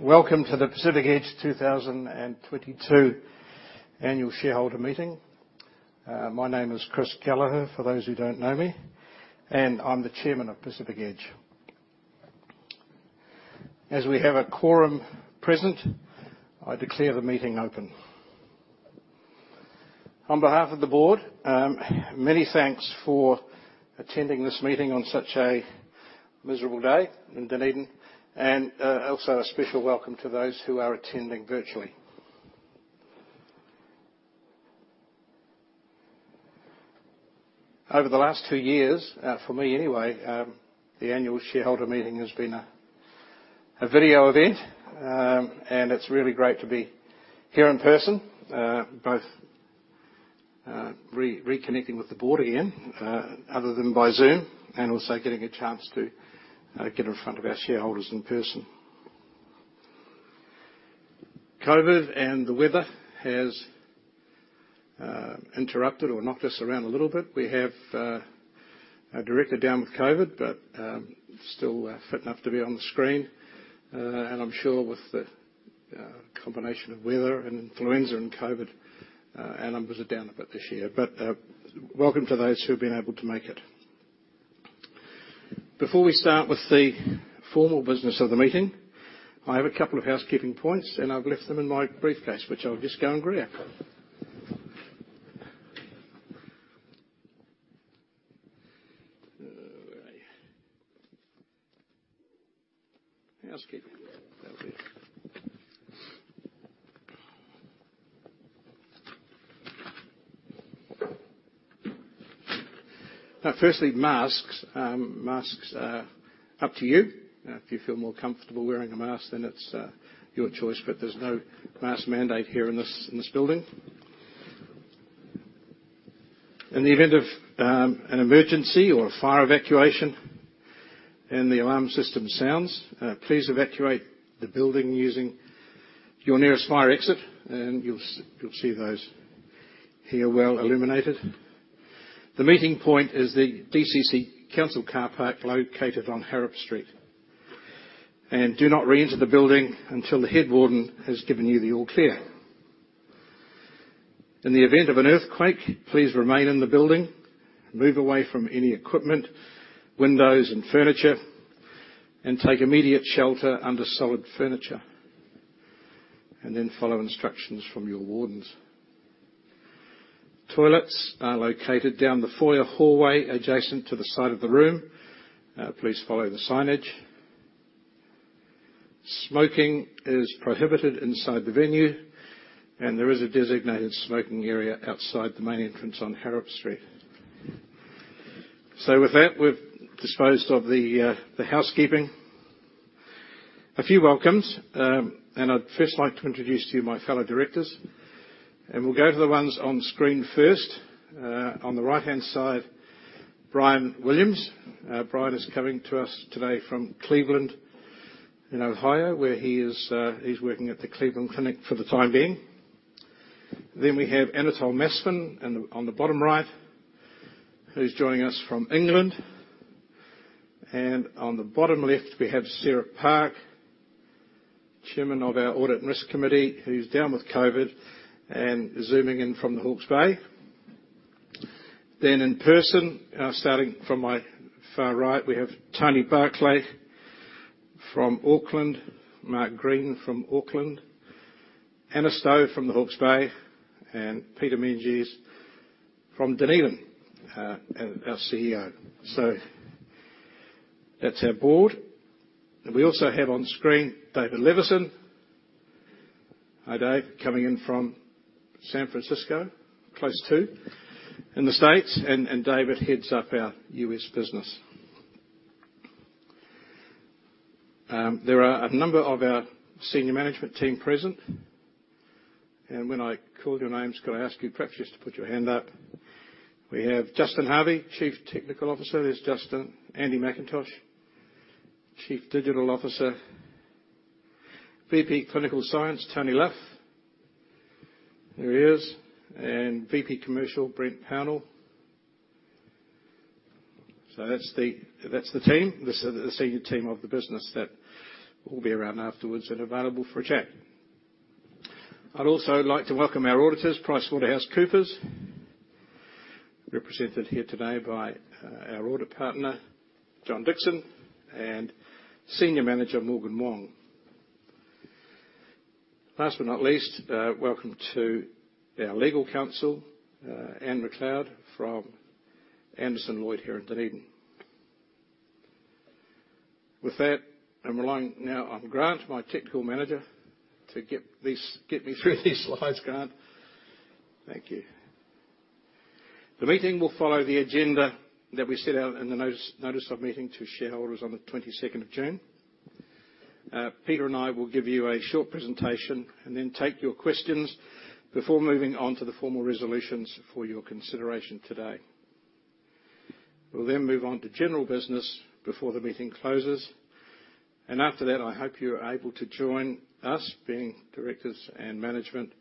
Welcome to the Pacific Edge 2022 Annual Shareholder Meeting. My name is Chris Gallaher, for those who don't know me, and I'm the Chairman of Pacific Edge. As we have a quorum present, I declare the meeting open. On behalf of the board, many thanks for attending this meeting on such a miserable day in Dunedin, and also a special welcome to those who are attending virtually. Over the last two years, for me anyway, the annual shareholder meeting has been a video event. It's really great to be here in person, both reconnecting with the board again, other than by Zoom, and also getting a chance to get in front of our shareholders in person. COVID and the weather has interrupted or knocked us around a little bit. We have a director down with COVID, but still fit enough to be on the screen. I'm sure with the combination of weather and influenza and COVID, our numbers are down a bit this year. Welcome to those who've been able to make it. Before we start with the formal business of the meeting, I have a couple of housekeeping points, and I've left them in my briefcase, which I'll just go and grab. Where are you? Housekeeping. That'll do. Now, firstly, masks. Masks are up to you. If you feel more comfortable wearing a mask, then it's your choice, but there's no mask mandate here in this building. In the event of an emergency or a fire evacuation and the alarm system sounds, please evacuate the building using your nearest fire exit, and you'll see those here well-illuminated. The meeting point is the DCC Council car park located on Harrop Street. Do not reenter the building until the head warden has given you the all clear. In the event of an earthquake, please remain in the building, move away from any equipment, windows and furniture, and take immediate shelter under solid furniture, and then follow instructions from your wardens. Toilets are located down the foyer hallway adjacent to the side of the room. Please follow the signage. Smoking is prohibited inside the venue, and there is a designated smoking area outside the main entrance on Harrop Street. With that, we've disposed of the housekeeping. A few welcomes. I'd first like to introduce to you my fellow directors, and we'll go to the ones on screen first. On the right-hand side, Bryan Williams. Bryan is coming to us today from Cleveland in Ohio, where he is, he's working at the Cleveland Clinic for the time being. We have Anatole Masfen on the bottom right, who's joining us from England. On the bottom left, we have Sarah Park, Chairman of our audit and risk committee, who's down with COVID and Zooming in from the Hawke's Bay. In person, starting from my far right, we have Tony Barclay from Auckland, Mark Green from Auckland, Anna Stove from the Hawke's Bay, and Peter Meintjes from Dunedin, and our CEO. That's our board. We also have on screen David Levison. Hi, Dave. Coming in from San Francisco, close to, in the States. David heads up our U.S. business. There are a number of our senior management team present. When I call your names, could I ask you perhaps just to put your hand up? We have Justin Harvey, Chief Technical Officer. There's Justin. Andy McIntosh, Chief Digital Officer. VP, Clinical Science, Tony Lough. There he is. VP, Commercial, Brent Pownall. So that's the team. This is the senior team of the business that will be around afterwards and available for a chat. I'd also like to welcome our auditors, PricewaterhouseCoopers, represented here today by our audit partner, John Dixon, and Senior Manager Morgan Wong. Last but not least, welcome to our legal counsel, Anne McLeod from Anderson Lloyd here in Dunedin. With that, I'm relying now on Grant, my technical manager, to get me through these slides, Grant. Thank you. The meeting will follow the agenda that we set out in the notice of meeting to shareholders on the June 22nd. Peter and I will give you a short presentation and then take your questions before moving on to the formal resolutions for your consideration today. We'll then move on to general business before the meeting closes. After that, I hope you're able to join us, being directors and management,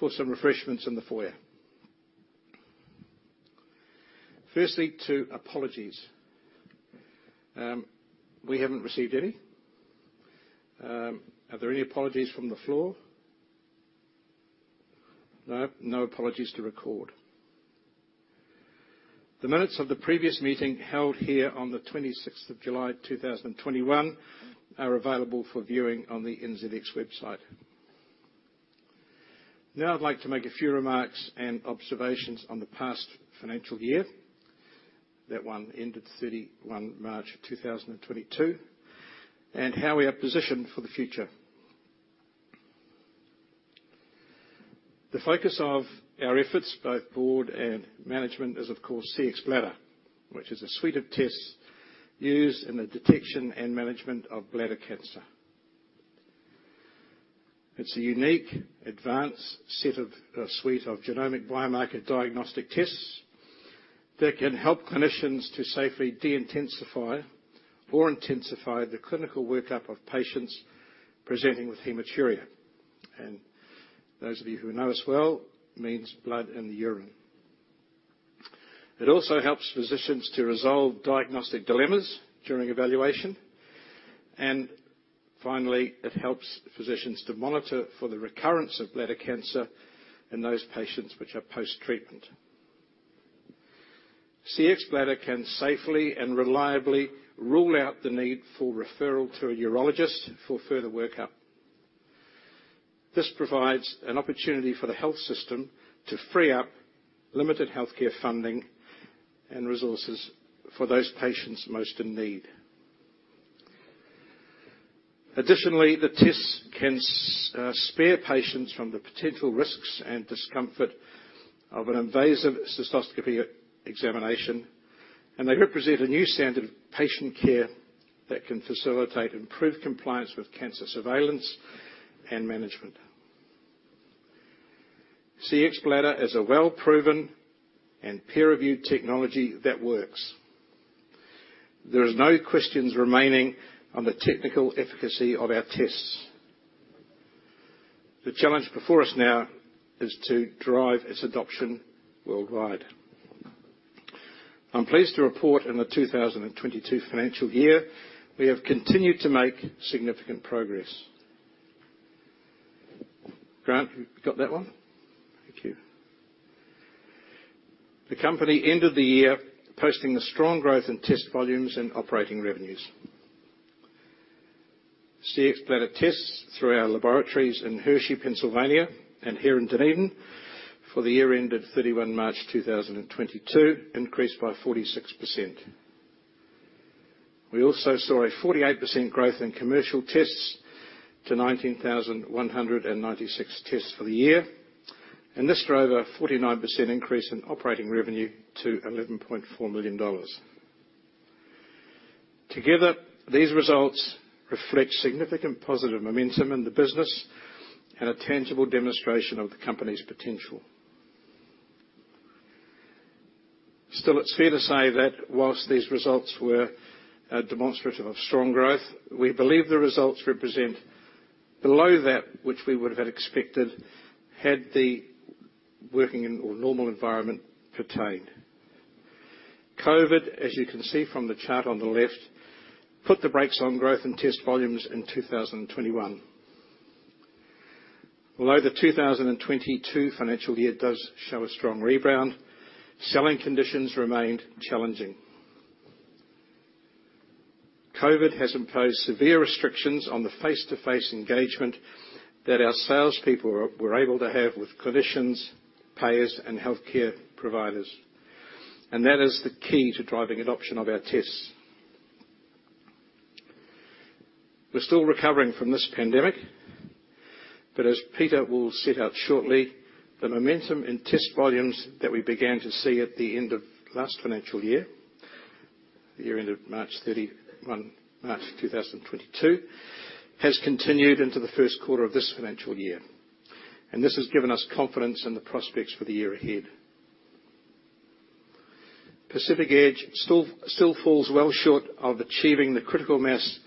for some refreshments in the foyer. Firstly, two apologies. We haven't received any. Are there any apologies from the floor? No apologies to record. The minutes of the previous meeting held here on the July 26th, 2021 are available for viewing on the NZX website. Now I'd like to make a few remarks and observations on the past financial year. That one ended March 31 2022, and how we are positioned for the future. The focus of our efforts, both board and management, is of course, Cxbladder, which is a suite of tests used in the detection and management of bladder cancer. It's a unique advanced set of suite of genomic biomarker diagnostic tests that can help clinicians to safely de-intensify or intensify the clinical workup of patients presenting with hematuria. Those of you who know us well, means blood in the urine. It also helps physicians to resolve diagnostic dilemmas during evaluation. Finally, it helps physicians to monitor for the recurrence of bladder cancer in those patients which are post-treatment. Cxbladder can safely and reliably rule out the need for referral to a urologist for further workup. This provides an opportunity for the health system to free up limited healthcare funding and resources for those patients most in need. Additionally, the tests can spare patients from the potential risks and discomfort of an invasive cystoscopy examination, and they represent a new standard of patient care that can facilitate improved compliance with cancer surveillance and management. Cxbladder is a well-proven and peer-reviewed technology that works. There is no questions remaining on the technical efficacy of our tests. The challenge before us now is to drive its adoption worldwide. I'm pleased to report in the 2022 financial year, we have continued to make significant progress. Grant, you got that one? Thank you. The company ended the year posting a strong growth in test volumes and operating revenues. Cxbladder tests through our laboratories in Hershey, Pennsylvania and here in Dunedin for the year ended March 31, 2022 increased by 46%. We also saw a 48% growth in commercial tests to 19,196 tests for the year. This drove a 49% increase in operating revenue to 11.4 million dollars. Together, these results reflect significant positive momentum in the business and a tangible demonstration of the company's potential. Still, it's fair to say that while these results were demonstrative of strong growth, we believe the results represent below that which we would have expected had the workings in a normal environment pertained. COVID, as you can see from the chart on the left, put the brakes on growth and test volumes in 2021. Although the 2022 financial year does show a strong rebound, selling conditions remained challenging. COVID has imposed severe restrictions on the face-to-face engagement that our sales people were able to have with clinicians, payers, and healthcare providers. That is the key to driving adoption of our tests. We're still recovering from this pandemic, but as Peter will set out shortly, the momentum in test volumes that we began to see at the end of last financial year, the year end of March 31, 2022, has continued into the first quarter of this financial year, and this has given us confidence in the prospects for the year ahead. Pacific Edge still falls well short of achieving the critical mass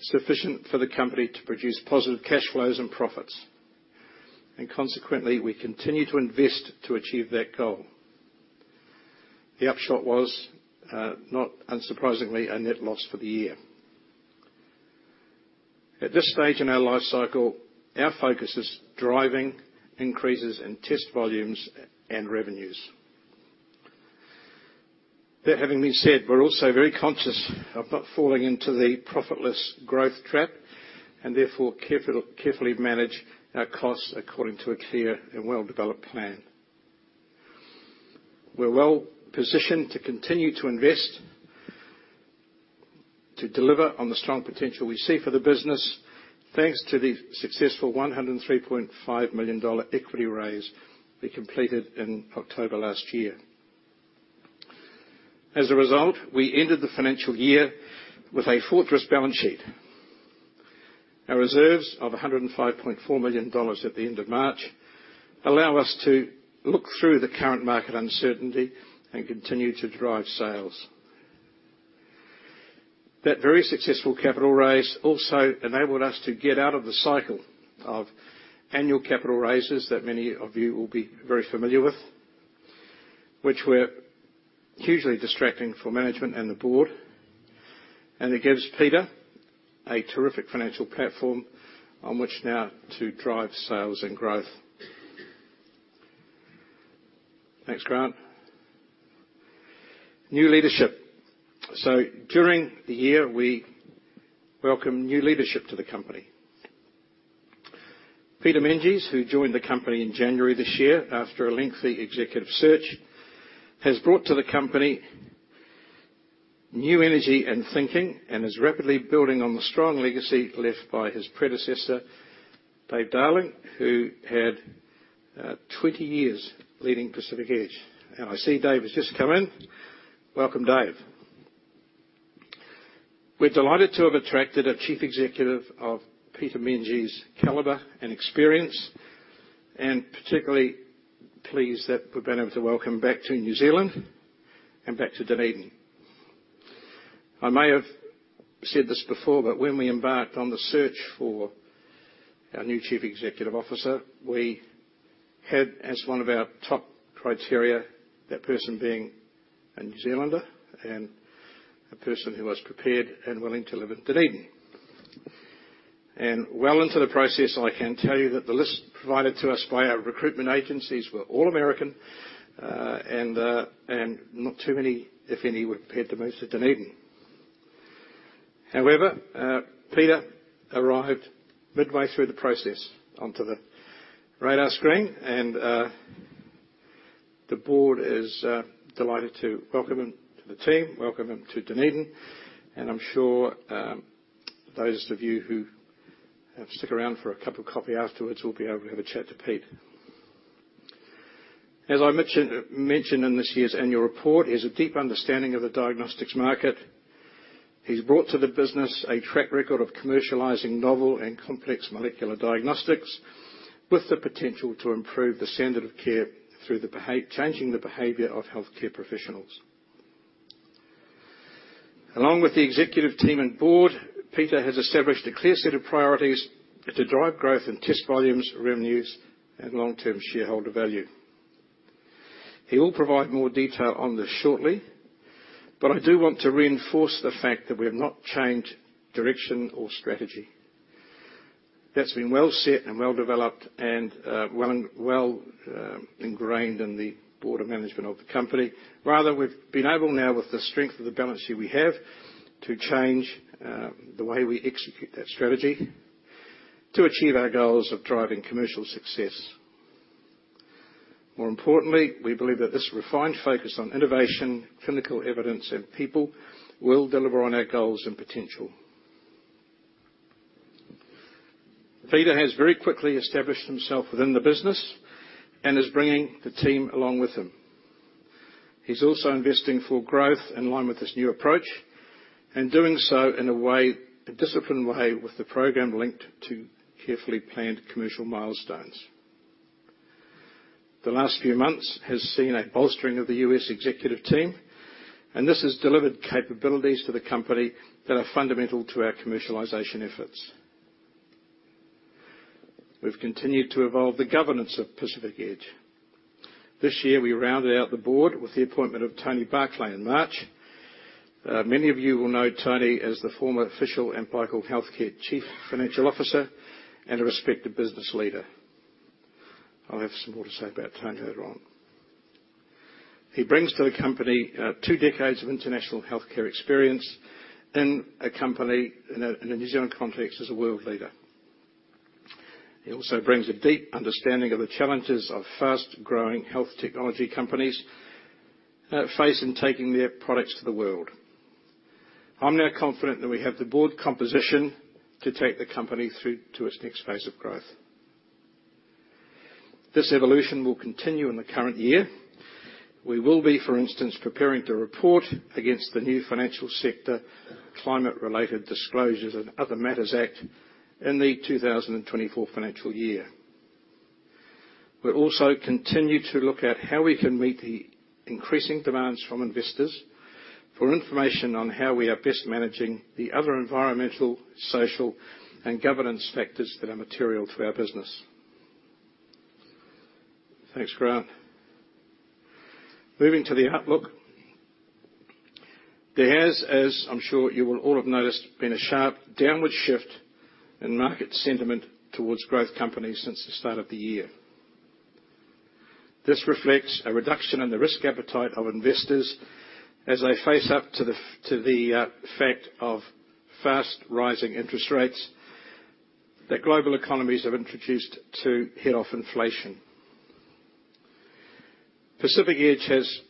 sufficient for the company to produce positive cash flows and profits, and consequently, we continue to invest to achieve that goal. The upshot was, not unsurprisingly, a net loss for the year. At this stage in our life cycle, our focus is driving increases in test volumes and revenues. That having been said, we're also very conscious of not falling into the profitless growth trap, and therefore carefully manage our costs according to a clear and well-developed plan. We're well-positioned to continue to invest, to deliver on the strong potential we see for the business, thanks to the successful 103.5 million dollar equity raise we completed in October last year. As a result, we ended the financial year with a fortress balance sheet. Our reserves of 105.4 million dollars at the end of March allow us to look through the current market uncertainty and continue to drive sales. That very successful capital raise also enabled us to get out of the cycle of annual capital raises that many of you will be very familiar with, which were hugely distracting for management and the board. It gives Peter Meintjes a terrific financial platform on which now to drive sales and growth. Thanks, Grant. New leadership. During the year, we welcome new leadership to the company. Peter Meintjes, who joined the company in January this year after a lengthy executive search, has brought to the company new energy and thinking, and is rapidly building on the strong legacy left by his predecessor, David Darling, who had 20 years leading Pacific Edge. I see Dave has just come in. Welcome, Dave. We're delighted to have attracted a chief executive of Peter Meintjes' caliber and experience, and particularly pleased that we've been able to welcome him back to New Zealand and back to Dunedin. I may have said this before, but when we embarked on the search for our new chief executive officer, we had as one of our top criteria, that person being a New Zealander and a person who was prepared and willing to live in Dunedin. Well into the process, I can tell you that the list provided to us by our recruitment agencies were all American, and not too many, if any, were prepared to move to Dunedin. However, Peter arrived midway through the process onto the radar screen, and the board is delighted to welcome him to the team, welcome him to Dunedin, and I'm sure those of you who stick around for a cup of coffee afterwards will be able to have a chat to Pete. As mentioned in this year's annual report, he has a deep understanding of the diagnostics market. He's brought to the business a track record of commercializing novel and complex molecular diagnostics with the potential to improve the standard of care through changing the behavior of healthcare professionals. Along with the executive team and board, Peter has established a clear set of priorities to drive growth in test volumes, revenues, and long-term shareholder value. He will provide more detail on this shortly, but I do want to reinforce the fact that we have not changed direction or strategy. That's been well set and well-developed and ingrained in the board of management of the company. Rather, we've been able now with the strength of the balance sheet we have to change the way we execute that strategy to achieve our goals of driving commercial success. More importantly, we believe that this refined focus on innovation, clinical evidence, and people will deliver on our goals and potential. Peter has very quickly established himself within the business and is bringing the team along with him. He's also investing for growth in line with this new approach, and doing so in a way, a disciplined way, with the program linked to carefully planned commercial milestones. The last few months has seen a bolstering of the U.S. executive team, and this has delivered capabilities to the company that are fundamental to our commercialization efforts. We've continued to evolve the governance of Pacific Edge. This year, we rounded out the board with the appointment of Tony Barclay in March. Many of you will know Tony as the former CFO of BioCal Health Care and a respected business leader. I'll have some more to say about Tony later on. He brings to the company two decades of international healthcare experience in a company in a New Zealand context, as a world leader. He also brings a deep understanding of the challenges of fast-growing health technology companies face in taking their products to the world. I'm now confident that we have the board composition to take the company through to its next phase of growth. This evolution will continue in the current year. We will be, for instance, preparing to report against the new Financial Sector (Climate-related Disclosures and Other Matters) Act in the 2024 financial year. We'll also continue to look at how we can meet the increasing demands from investors for information on how we are best managing the other environmental, social, and governance factors that are material to our business. Thanks, Grant. Moving to the outlook. There has, as I'm sure you will all have noticed, been a sharp downward shift in market sentiment towards growth companies since the start of the year. This reflects a reduction in the risk appetite of investors as they face up to the fact of fast-rising interest rates that global economies have introduced to head off inflation. Pacific Edge has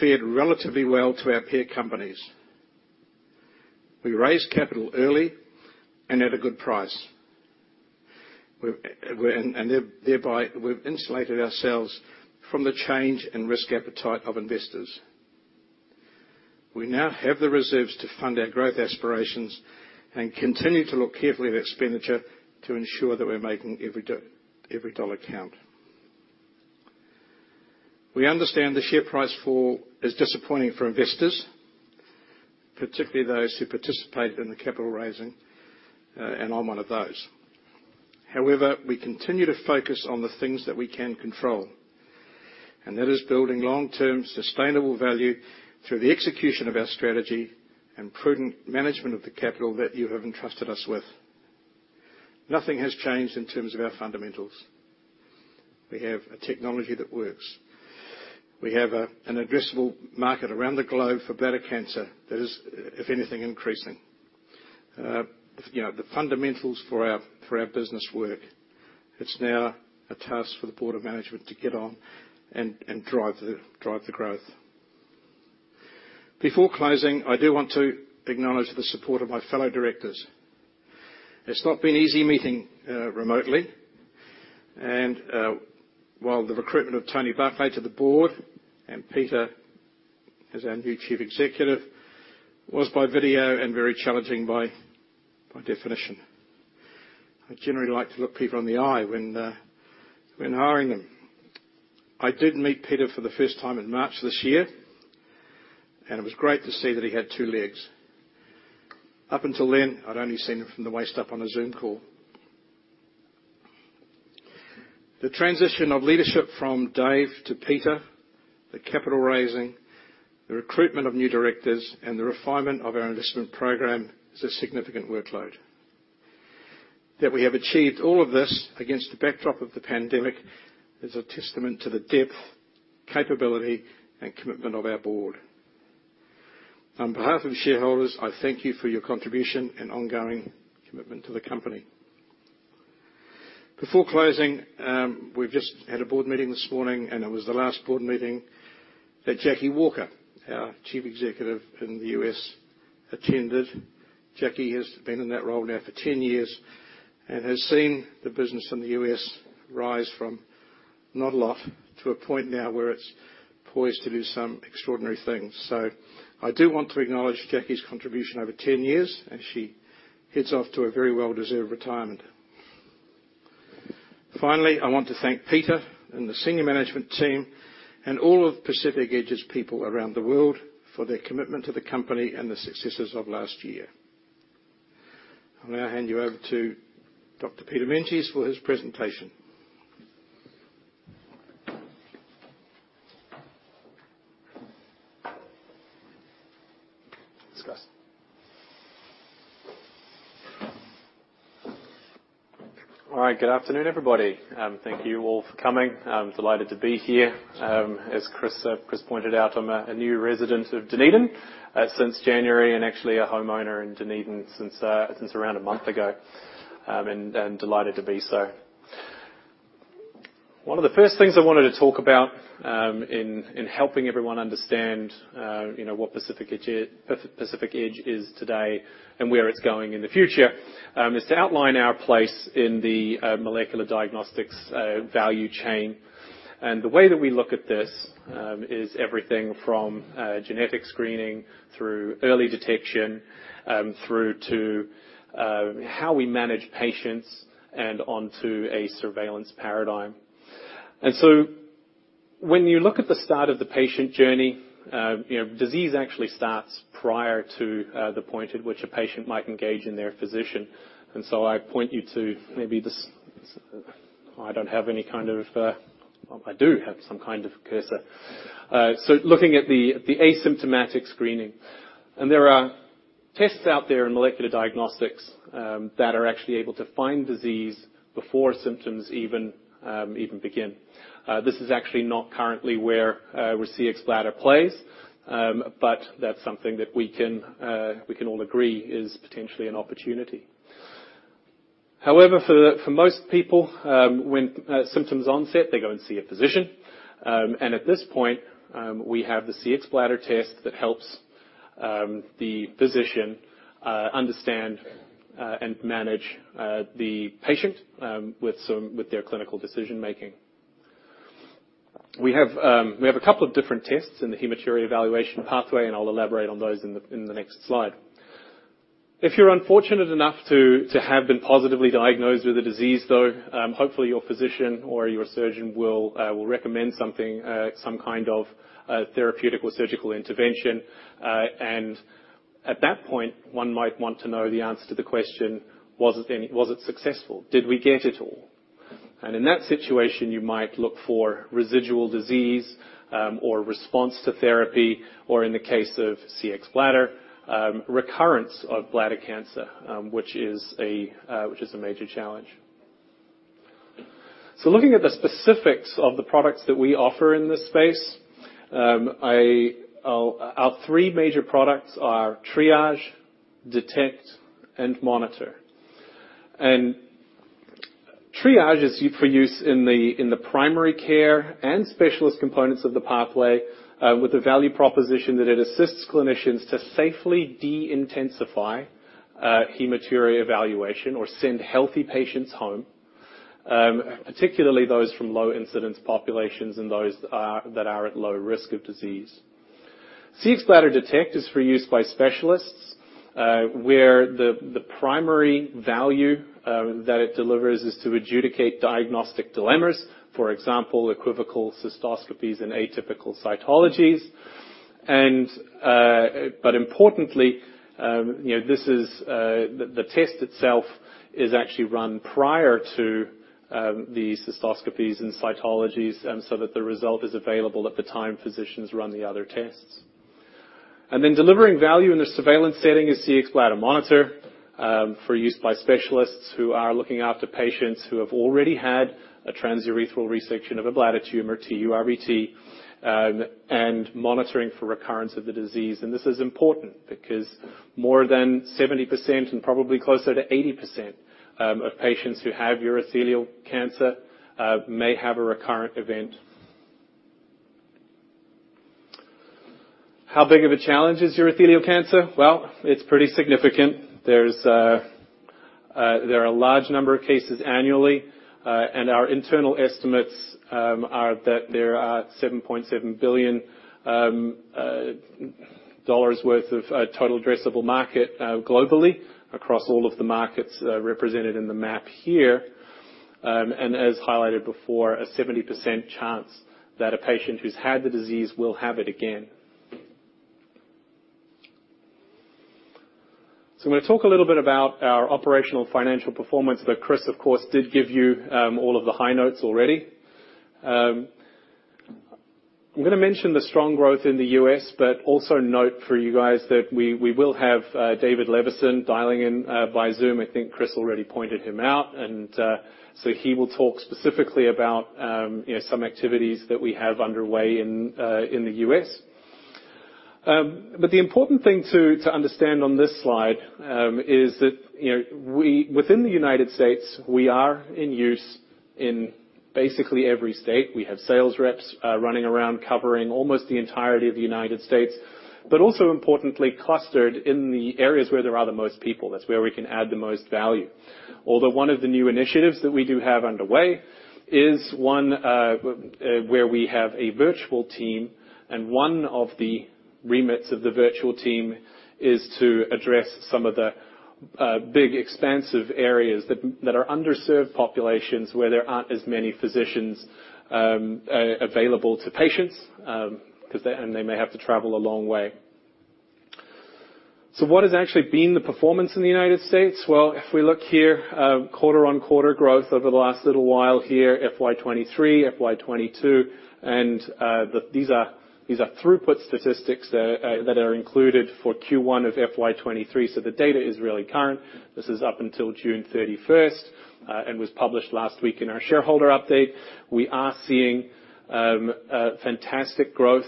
fared relatively well to our peer companies. We raised capital early and at a good price. Thereby we've insulated ourselves from the change in risk appetite of investors. We now have the reserves to fund our growth aspirations and continue to look carefully at expenditure to ensure that we're making every dollar count. We understand the share price fall is disappointing for investors, particularly those who participated in the capital raising, and I'm one of those. However, we continue to focus on the things that we can control, and that is building long-term sustainable value through the execution of our strategy and prudent management of the capital that you have entrusted us with. Nothing has changed in terms of our fundamentals. We have a technology that works. We have an addressable market around the globe for bladder cancer that is, if anything, increasing. You know, the fundamentals for our business work. It's now a task for the board of management to get on and drive the growth. Before closing, I do want to acknowledge the support of my fellow directors. It's not been easy meeting remotely, and while the recruitment of Tony Barclay to the board and Peter as our new Chief Executive was by video and very challenging by definition. I generally like to look people in the eye when hiring them. I did meet Peter for the first time in March this year, and it was great to see that he had two legs. Up until then, I'd only seen him from the waist up on a Zoom call. The transition of leadership from Dave to Peter, the capital raising, the recruitment of new directors, and the refinement of our investment program is a significant workload. That we have achieved all of this against the backdrop of the pandemic is a testament to the depth, capability, and commitment of our board. On behalf of shareholders, I thank you for your contribution and ongoing commitment to the company. Before closing, we've just had a board meeting this morning, and it was the last board meeting that Jackie Walker, our Chief Executive in the U.S., attended. Jackie has been in that role now for 10 years and has seen the business in the U.S. rise from not a lot to a point now where it's poised to do some extraordinary things. I do want to acknowledge Jackie's contribution over 10 years as she heads off to a very well-deserved retirement. Finally, I want to thank Peter and the senior management team and all of Pacific Edge's people around the world for their commitment to the company and the successes of last year. I'm gonna hand you over to Dr. Peter Meintjes for his presentation. All right. Good afternoon, everybody, and thank you all for coming. I'm delighted to be here. As Chris pointed out, I'm a new resident of Dunedin since January, and actually a homeowner in Dunedin since around a month ago, and delighted to be so. One of the first things I wanted to talk about, in helping everyone understand, you know, what Pacific Edge is today and where it's going in the future, is to outline our place in the molecular diagnostics value chain. The way that we look at this is everything from genetic screening through early detection through to how we manage patients and onto a surveillance paradigm. When you look at the start of the patient journey, you know, disease actually starts prior to the point at which a patient might engage in their physician. I point you to maybe this. I do have some kind of cursor. Looking at the asymptomatic screening, there are tests out there in molecular diagnostics that are actually able to find disease before symptoms even begin. This is actually not currently where Cxbladder plays, but that's something that we can all agree is potentially an opportunity. However, for most people, when symptoms onset, they go and see a physician. At this point, we have the Cxbladder test that helps the physician understand and manage the patient with their clinical decision making. We have a couple of different tests in the hematuria evaluation pathway, and I'll elaborate on those in the next slide. If you're unfortunate enough to have been positively diagnosed with the disease though, hopefully your physician or your surgeon will recommend something, some kind of therapeutic surgical intervention. At that point, one might want to know the answer to the question, "Was it successful? Did we get it all?" In that situation, you might look for residual disease, or response to therapy, or in the case of Cxbladder, recurrence of bladder cancer, which is a major challenge. Looking at the specifics of the products that we offer in this space, our three major products are Triage, Detect, and Monitor. Triage is for use in the primary care and specialist components of the pathway, with the value proposition that it assists clinicians to safely de-intensify hematuria evaluation or send healthy patients home, particularly those from low incidence populations and those that are at low risk of disease. Cxbladder Detect is for use by specialists, where the primary value that it delivers is to adjudicate diagnostic dilemmas, for example, equivocal cystoscopies and atypical cytologies. Importantly, you know, this is the test itself is actually run prior to the cystoscopies and cytologies, so that the result is available at the time physicians run the other tests. Delivering value in the surveillance setting is Cxbladder Monitor, for use by specialists who are looking after patients who have already had a transurethral resection of a bladder tumor, TURBT, and monitoring for recurrence of the disease. This is important because more than 70% and probably closer to 80%, of patients who have urothelial cancer, may have a recurrent event. How big of a challenge is urothelial cancer? Well, it's pretty significant. There are a large number of cases annually, and our internal estimates are that there are 7.7 billion dollars worth of total addressable market globally across all of the markets represented in the map here. As highlighted before, a 70% chance that a patient who's had the disease will have it again. I'm gonna talk a little bit about our operational financial performance, but Chris, of course, did give you all of the high notes already. I'm gonna mention the strong growth in the U.S., but also note for you guys that we will have David Levison dialing in via Zoom. I think Chris already pointed him out. He will talk specifically about you know some activities that we have underway in the U.S. But the important thing to understand on this slide is that you know we within the United States, we are in use in basically every state. We have sales reps running around covering almost the entirety of the United States, but also importantly clustered in the areas where there are the most people. That's where we can add the most value. Although one of the new initiatives that we do have underway is one where we have a virtual team, and one of the remits of the virtual team is to address some of the big expansive areas that are underserved populations where there aren't as many physicians available to patients, and they may have to travel a long way. What has actually been the performance in the United States? If we look here, quarter-on-quarter growth over the last little while here, FY 2023, FY 2022, and these are throughput statistics that are included for Q1 of FY 2023, so the data is really current. This is up until June 31st, and was published last week in our shareholder update. We are seeing a fantastic growth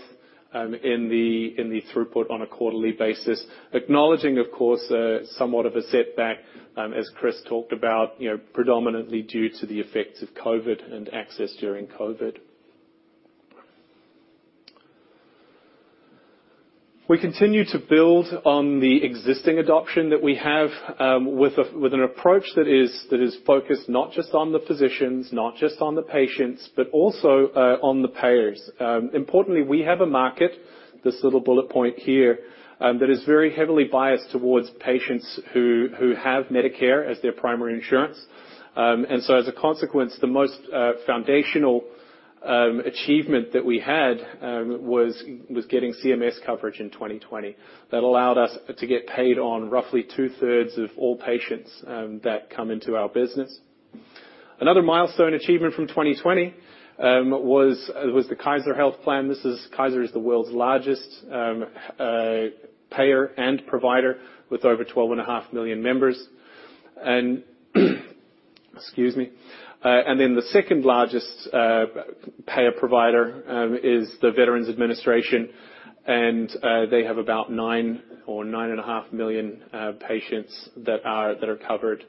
in the throughput on a quarterly basis, acknowledging, of course, somewhat of a setback as Chris talked about, you know, predominantly due to the effects of COVID and access during COVID. We continue to build on the existing adoption that we have with an approach that is focused not just on the physicians, not just on the patients, but also on the payers. Importantly, we have a market, this little bullet point here, that is very heavily biased towards patients who have Medicare as their primary insurance. As a consequence, the most foundational achievement that we had was getting CMS coverage in 2020. That allowed us to get paid on roughly two-thirds of all patients that come into our business. Another milestone achievement from 2020 was the Kaiser Permanente. Kaiser Permanente is the world's largest payer and provider with over 12.5 million members. Excuse me. Then the second-largest payer-provider is the Department of Veterans Administration, and they have about 9 million or 9.5 million patients that are covered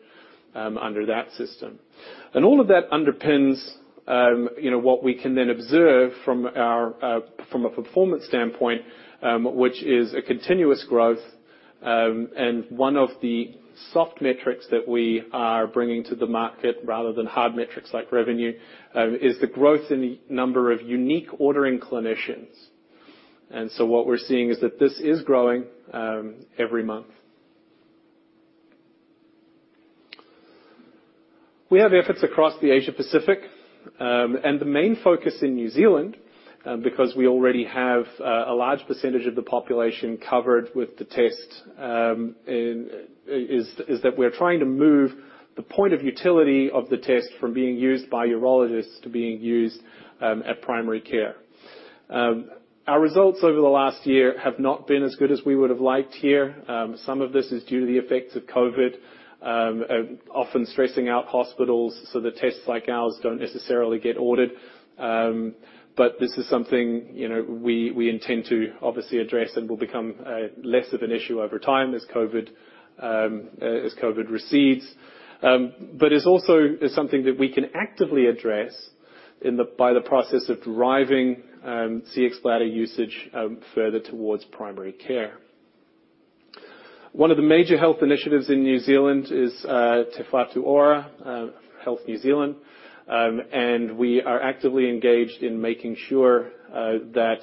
under that system. All of that underpins you know what we can then observe from a performance standpoint, which is a continuous growth, and one of the soft metrics that we are bringing to the market rather than hard metrics like revenue is the growth in the number of unique ordering clinicians. What we're seeing is that this is growing every month. We have efforts across the Asia Pacific, and the main focus in New Zealand, because we already have a large percentage of the population covered with the test, in that we're trying to move the point of utility of the test from being used by urologists to being used at primary care. Our results over the last year have not been as good as we would have liked here. Some of this is due to the effects of COVID, often stressing out hospitals, so the tests like ours don't necessarily get ordered. This is something, you know, we intend to obviously address and will become less of an issue over time as COVID recedes. It's also something that we can actively address in the by the process of driving, Cxbladder usage further towards primary care. One of the major health initiatives in New Zealand is Te Whatu Ora, Health New Zealand. We are actively engaged in making sure that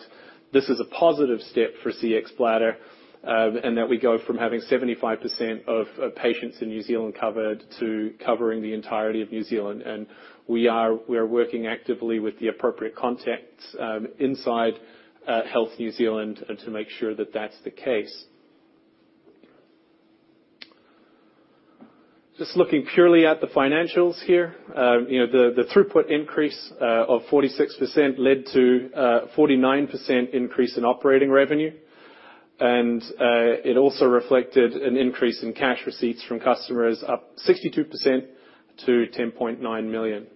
this is a positive step for Cxbladder, and that we go from having 75% of patients in New Zealand covered to covering the entirety of New Zealand. We are working actively with the appropriate contacts inside Health New Zealand to make sure that that's the case. Just looking purely at the financials here, you know, the throughput increase of 46% led to 49% increase in operating revenue. It also reflected an increase in cash receipts from customers up 62% to 10.9 million.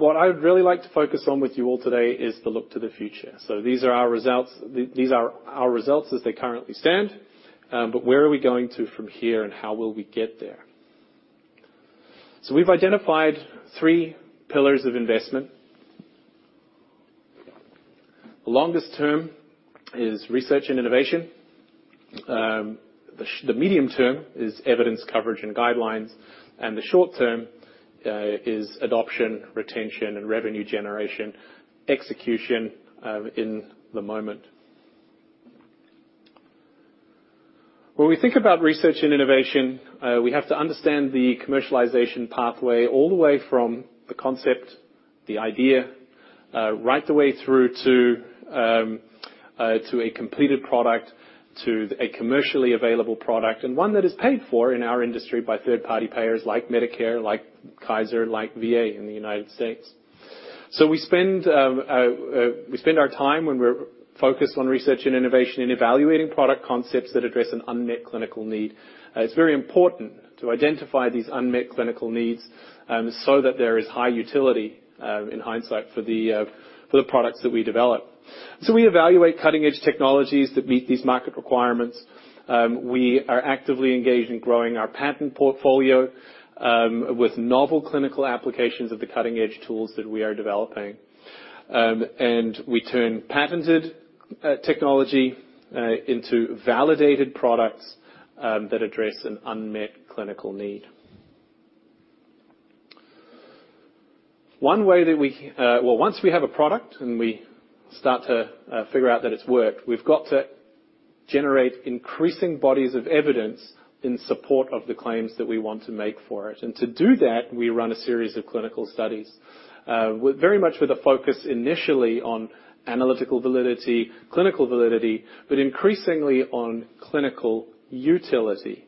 What I'd really like to focus on with you all today is the look to the future. These are our results, these are our results as they currently stand. Where are we going to from here, and how will we get there? We've identified three pillars of investment. The longest term is research and innovation. The medium term is evidence coverage and guidelines, and the short term is adoption, retention, and revenue generation, execution, in the moment. When we think about research and innovation, we have to understand the commercialization pathway all the way from the concept, the idea, right the way through to a completed product, to a commercially available product, and one that is paid for in our industry by third-party payers like Medicare, like Kaiser, like VA in the United States. We spend our time when we're focused on research and innovation in evaluating product concepts that address an unmet clinical need. It's very important to identify these unmet clinical needs, so that there is high utility, in hindsight for the products that we develop. We evaluate cutting-edge technologies that meet these market requirements. We are actively engaged in growing our patent portfolio, with novel clinical applications of the cutting-edge tools that we are developing. And we turn patented technology into validated products, that address an unmet clinical need. Well, once we have a product, and we start to figure out that it's worked, we've got to generate increasing bodies of evidence in support of the claims that we want to make for it. To do that, we run a series of clinical studies, with very much a focus initially on analytical validity, clinical validity, but increasingly on clinical utility.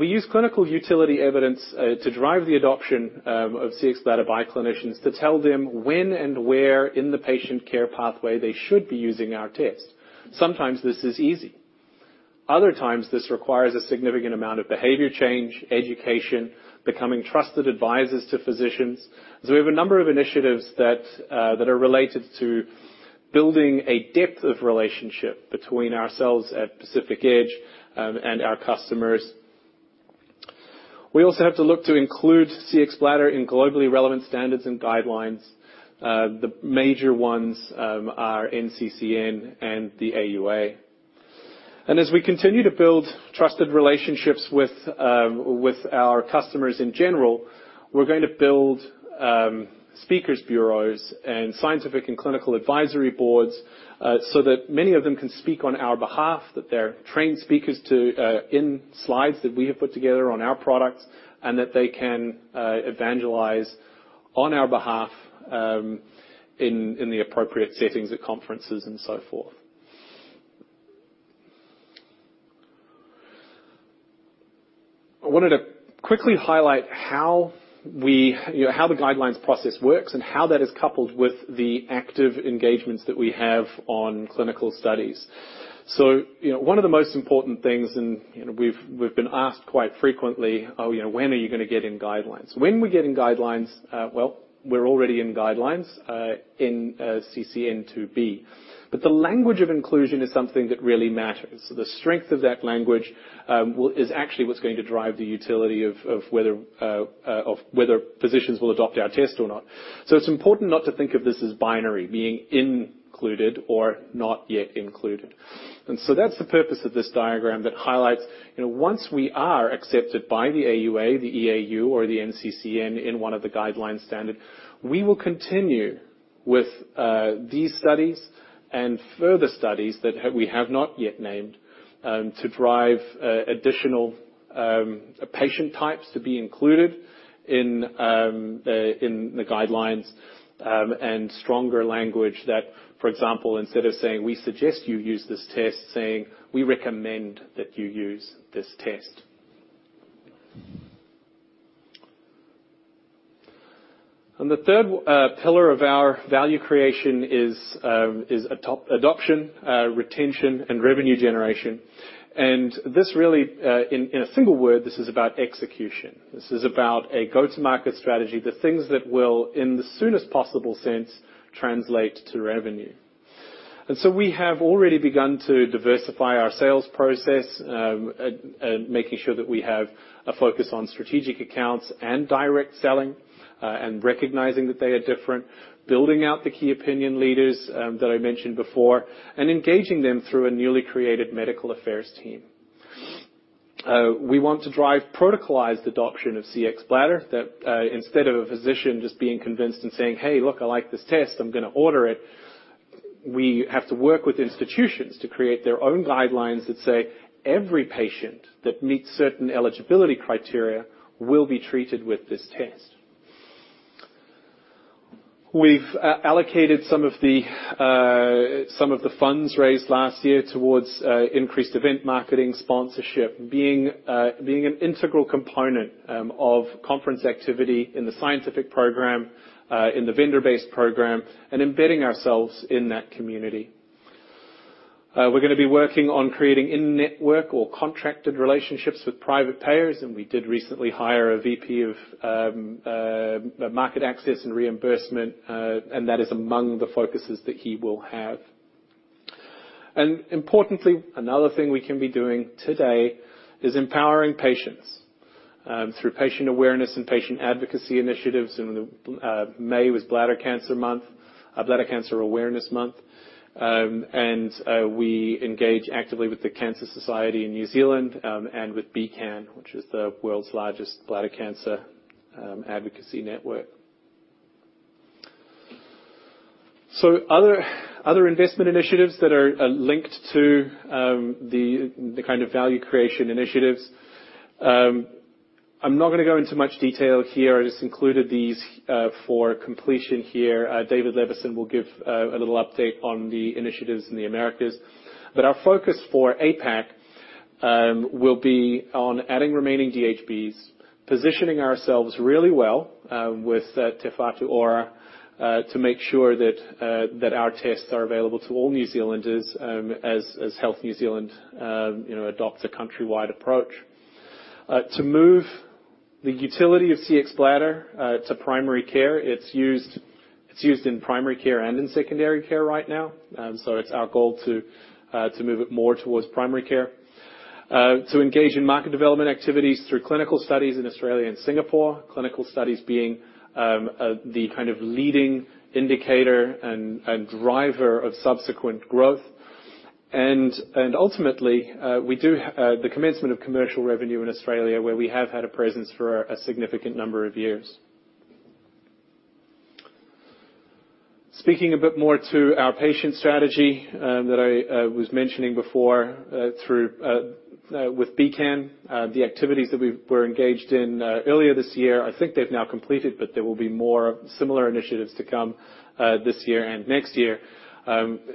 We use clinical utility evidence to drive the adoption of Cxbladder by clinicians to tell them when and where in the patient care pathway they should be using our test. Sometimes this is easy. Other times, this requires a significant amount of behavior change, education, becoming trusted advisors to physicians. We have a number of initiatives that are related to building a depth of relationship between ourselves at Pacific Edge and our customers. We also have to look to include Cxbladder in globally relevant standards and guidelines. The major ones are NCCN and the AUA. As we continue to build trusted relationships with our customers in general, we're going to build speakers bureaus and scientific and clinical advisory boards, so that many of them can speak on our behalf, that they're trained speakers to in slides that we have put together on our products, and that they can evangelize on our behalf, in the appropriate settings at conferences and so forth. I wanted to quickly highlight how we, you know, how the guidelines process works and how that is coupled with the active engagements that we have on clinical studies. You know, one of the most important things, and, you know, we've been asked quite frequently, oh, you know, when are you gonna get in guidelines? When we get in guidelines, well, we're already in guidelines, in NCCN 2B. The language of inclusion is something that really matters. The strength of that language is actually what's going to drive the utility of whether physicians will adopt our test or not. It's important not to think of this as binary, being included or not yet included. That's the purpose of this diagram that highlights, you know, once we are accepted by the AUA, the EAU, or the NCCN in one of the guidelines standard, we will continue with these studies and further studies that we have not yet named to drive additional patient types to be included in the guidelines and stronger language that, for example, instead of saying, we suggest you use this test, saying, we recommend that you use this test. The third pillar of our value creation is adoption, retention, and revenue generation. This really, in a single word, this is about execution. This is about a go-to-market strategy, the things that will, in the soonest possible sense, translate to revenue. We have already begun to diversify our sales process, making sure that we have a focus on strategic accounts and direct selling, and recognizing that they are different, building out the key opinion leaders that I mentioned before, and engaging them through a newly created medical affairs team. We want to drive protocolized adoption of Cxbladder that, instead of a physician just being convinced and saying, "Hey, look, I like this test, I'm gonna order it," we have to work with institutions to create their own guidelines that say, "Every patient that meets certain eligibility criteria will be treated with this test." We've allocated some of the funds raised last year towards increased event marketing sponsorship, being an integral component of conference activity in the scientific program, in the vendor-based program, and embedding ourselves in that community. We're gonna be working on creating in-network or contracted relationships with private payers, and we did recently hire a VP of Market Access and Reimbursement, and that is among the focuses that he will have. Importantly, another thing we can be doing today is empowering patients through patient awareness and patient advocacy initiatives. May was Bladder Cancer Month, Bladder Cancer Awareness Month. We engage actively with the Cancer Society of New Zealand and with BCAN, which is the world's largest bladder cancer advocacy network. Other investment initiatives that are linked to the kind of value creation initiatives. I'm not gonna go into much detail here. I just included these for completion here. David Levison will give a little update on the initiatives in the Americas. Our focus for APAC will be on adding remaining DHBs, positioning ourselves really well with Te Whatu Ora to make sure that our tests are available to all New Zealanders, as Health New Zealand you know adopts a countrywide approach. To move the utility of Cxbladder to primary care. It's used in primary care and in secondary care right now, so it's our goal to move it more towards primary care. To engage in market development activities through clinical studies in Australia and Singapore, clinical studies being the kind of leading indicator and driver of subsequent growth. Ultimately, the commencement of commercial revenue in Australia, where we have had a presence for a significant number of years. Speaking a bit more to our patient strategy, that I was mentioning before, through with BCAN, the activities that we're engaged in earlier this year, I think they've now completed, but there will be more similar initiatives to come, this year and next year,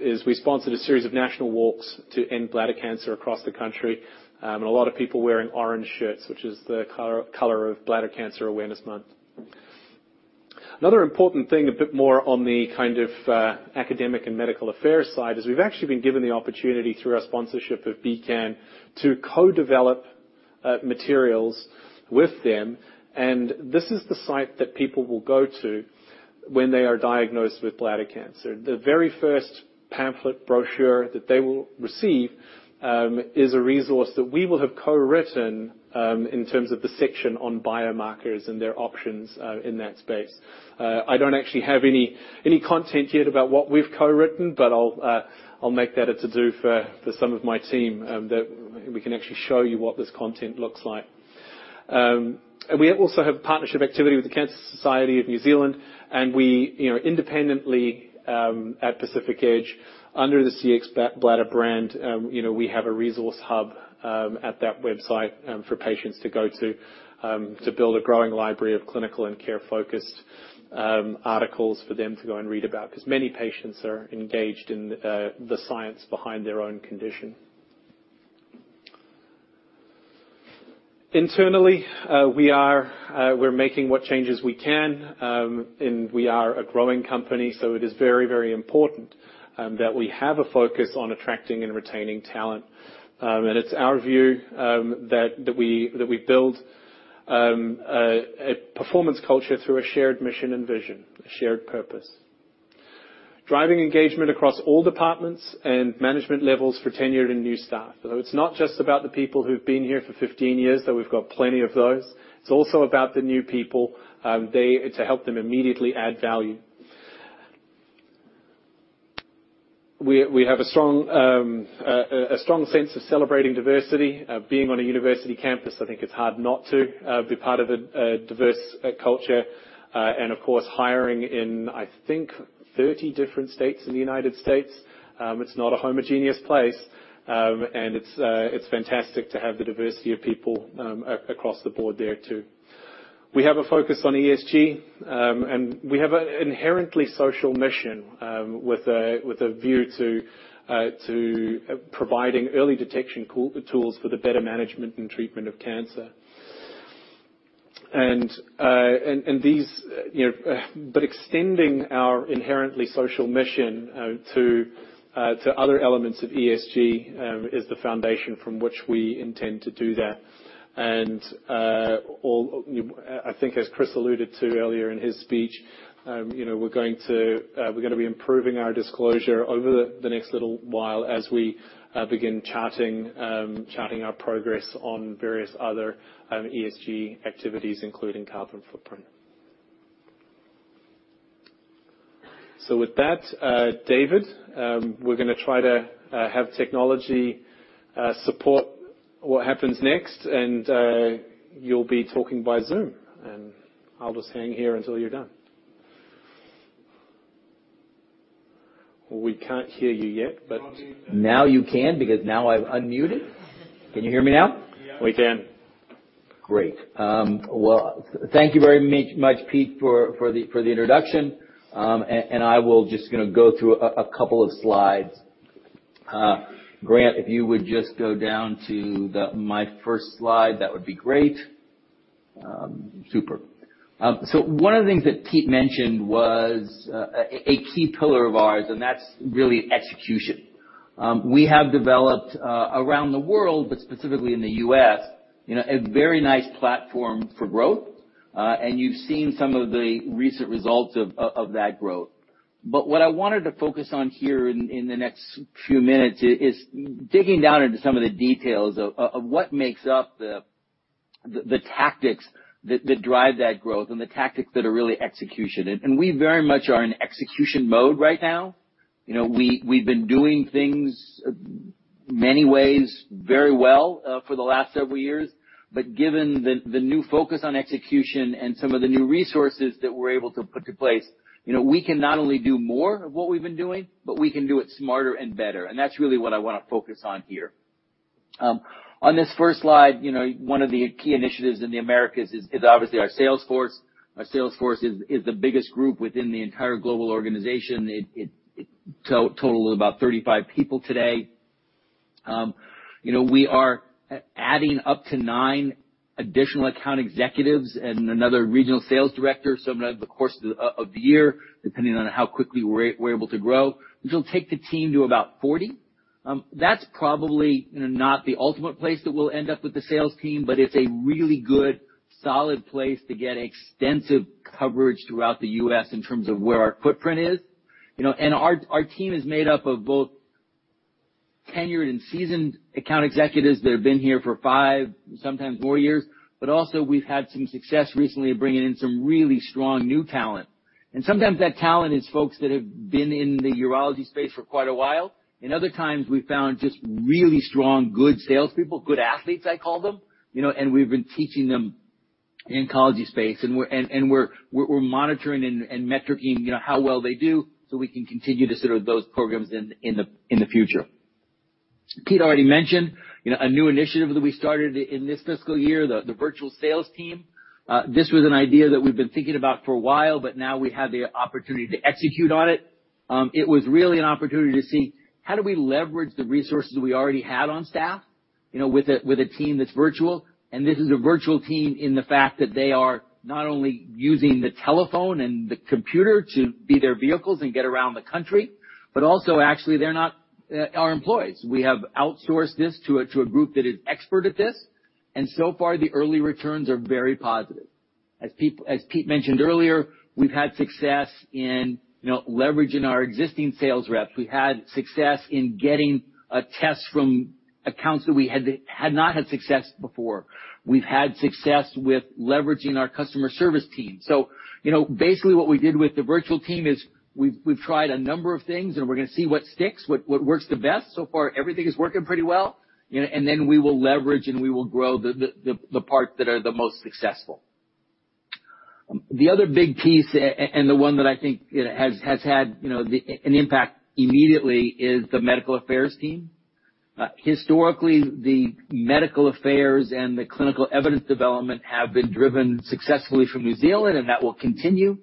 is we sponsored a series of national walks to end bladder cancer across the country. A lot of people wearing orange shirts, which is the color of Bladder Cancer Awareness Month. Another important thing, a bit more on the kind of academic and medical affairs side, is we've actually been given the opportunity through our sponsorship of BCAN to co-develop materials with them, and this is the site that people will go to when they are diagnosed with bladder cancer. The very first pamphlet brochure that they will receive is a resource that we will have co-written in terms of the section on biomarkers and their options in that space. I don't actually have any content yet about what we've co-written, but I'll make that a to-do for some of my team that we can actually show you what this content looks like. We also have partnership activity with the Cancer Society of New Zealand, and we, you know, independently, at Pacific Edge, under the Cxbladder brand, you know, we have a resource hub at that website for patients to go to build a growing library of clinical and care-focused articles for them to go and read about, because many patients are engaged in the science behind their own condition. Internally, we're making what changes we can, and we are a growing company, so it is very, very important that we have a focus on attracting and retaining talent. It's our view that we build a performance culture through a shared mission and vision, a shared purpose, driving engagement across all departments and management levels for tenured and new staff. It's not just about the people who've been here for 15 years, though we've got plenty of those. It's also about the new people, to help them immediately add value. We have a strong sense of celebrating diversity. Being on a university campus, I think it's hard not to be part of a diverse culture. Of course, hiring in, I think, 30 different states in the United States, it's not a homogeneous place. It's fantastic to have the diversity of people across the board there too. We have a focus on ESG, and we have an inherently social mission with a view to providing early detection tools for the better management and treatment of cancer. You know, but extending our inherently social mission to other elements of ESG is the foundation from which we intend to do that. I think as Chris alluded to earlier in his speech, you know, we're gonna be improving our disclosure over the next little while as we begin charting our progress on various other ESG activities, including carbon footprint. With that, David, we're gonna try to have technology support what happens next, and you'll be talking by Zoom, and I'll just hang here until you're done. We can't hear you yet, but. Now you can, because now I've unmuted. Can you hear me now? We can. Great. Well, thank you very much, Peter, for the introduction. I will just gonna go through a couple of slides. Grant, if you would just go down to my first slide, that would be great. Super. One of the things that Peter mentioned was a key pillar of ours, and that's really execution. We have developed around the world, but specifically in the U.S., you know, a very nice platform for growth, and you've seen some of the recent results of that growth. What I wanted to focus on here in the next few minutes is digging down into some of the details of what makes up the tactics that drive that growth and the tactics that are really execution. We very much are in execution mode right now. You know, we've been doing things many ways very well for the last several years. Given the new focus on execution and some of the new resources that we're able to put in place, you know, we can not only do more of what we've been doing, but we can do it smarter and better. That's really what I wanna focus on here. On this first slide, you know, one of the key initiatives in the Americas is obviously our sales force. Our sales force is the biggest group within the entire global organization. It totals about 35 people today. You know, we are adding up to nine additional account executives and another regional sales director somewhere over the course of the year, depending on how quickly we're able to grow, which will take the team to about 40. That's probably, you know, not the ultimate place that we'll end up with the sales team, but it's a really good, solid place to get extensive coverage throughout the U.S. in terms of where our footprint is. You know, our team is made up of both tenured and seasoned account executives that have been here for five, sometimes more years. Also we've had some success recently bringing in some really strong new talent. Sometimes that talent is folks that have been in the urology space for quite a while. Other times we found just really strong, good salespeople, good athletes, I call them, you know, and we've been teaching them in oncology space. We're monitoring and metricing, you know, how well they do so we can continue to support those programs in the future. Pete already mentioned, you know, a new initiative that we started in this fiscal year, the virtual sales team. This was an idea that we've been thinking about for a while, but now we have the opportunity to execute on it. It was really an opportunity to see how do we leverage the resources we already had on staff, you know, with a team that's virtual. This is a virtual team in the fact that they are not only using the telephone and the computer to be their vehicles and get around the country, but also actually they're not our employees. We have outsourced this to a group that is expert at this, and so far the early returns are very positive. As Pete mentioned earlier, we've had success in, you know, leveraging our existing sales reps. We had success in getting tests from accounts that we had not had success before. We've had success with leveraging our customer service team. So, you know, basically what we did with the virtual team is we've tried a number of things and we're gonna see what sticks, what works the best. So far, everything is working pretty well. You know, we will leverage and we will grow the parts that are the most successful. The other big piece and the one that I think, you know, has had an impact immediately is the medical affairs team. Historically, the medical affairs and the clinical evidence development have been driven successfully from New Zealand, and that will continue.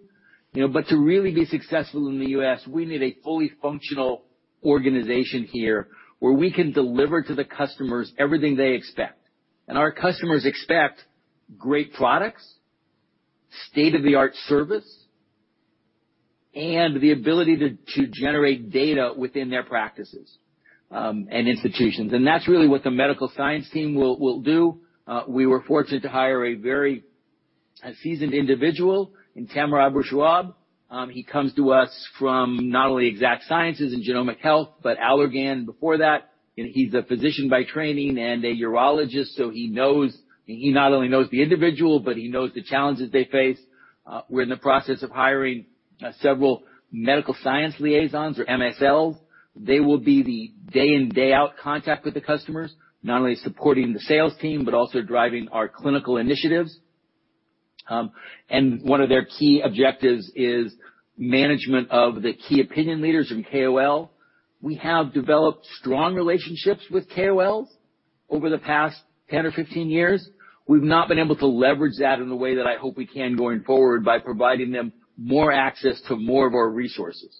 You know, to really be successful in the U.S., we need a fully functional organization here where we can deliver to the customers everything they expect. Our customers expect great products, state-of-the-art service, and the ability to generate data within their practices and institutions. That's really what the medical science team will do. We were fortunate to hire a very seasoned individual in Tamer Aboushwareb. He comes to us from not only Exact Sciences and Genomic Health, but Allergan before that. You know, he's a physician by training and a urologist, so he knows. He not only knows the individual, but he knows the challenges they face. We're in the process of hiring several Medical Science Liaisons or MSLs. They will be the day in, day out contact with the customers, not only supporting the sales team, but also driving our clinical initiatives. One of their key objectives is management of the Key Opinion Leaders or KOLs. We have developed strong relationships with KOLs over the past 10 or 15 years. We've not been able to leverage that in the way that I hope we can going forward by providing them more access to more of our resources.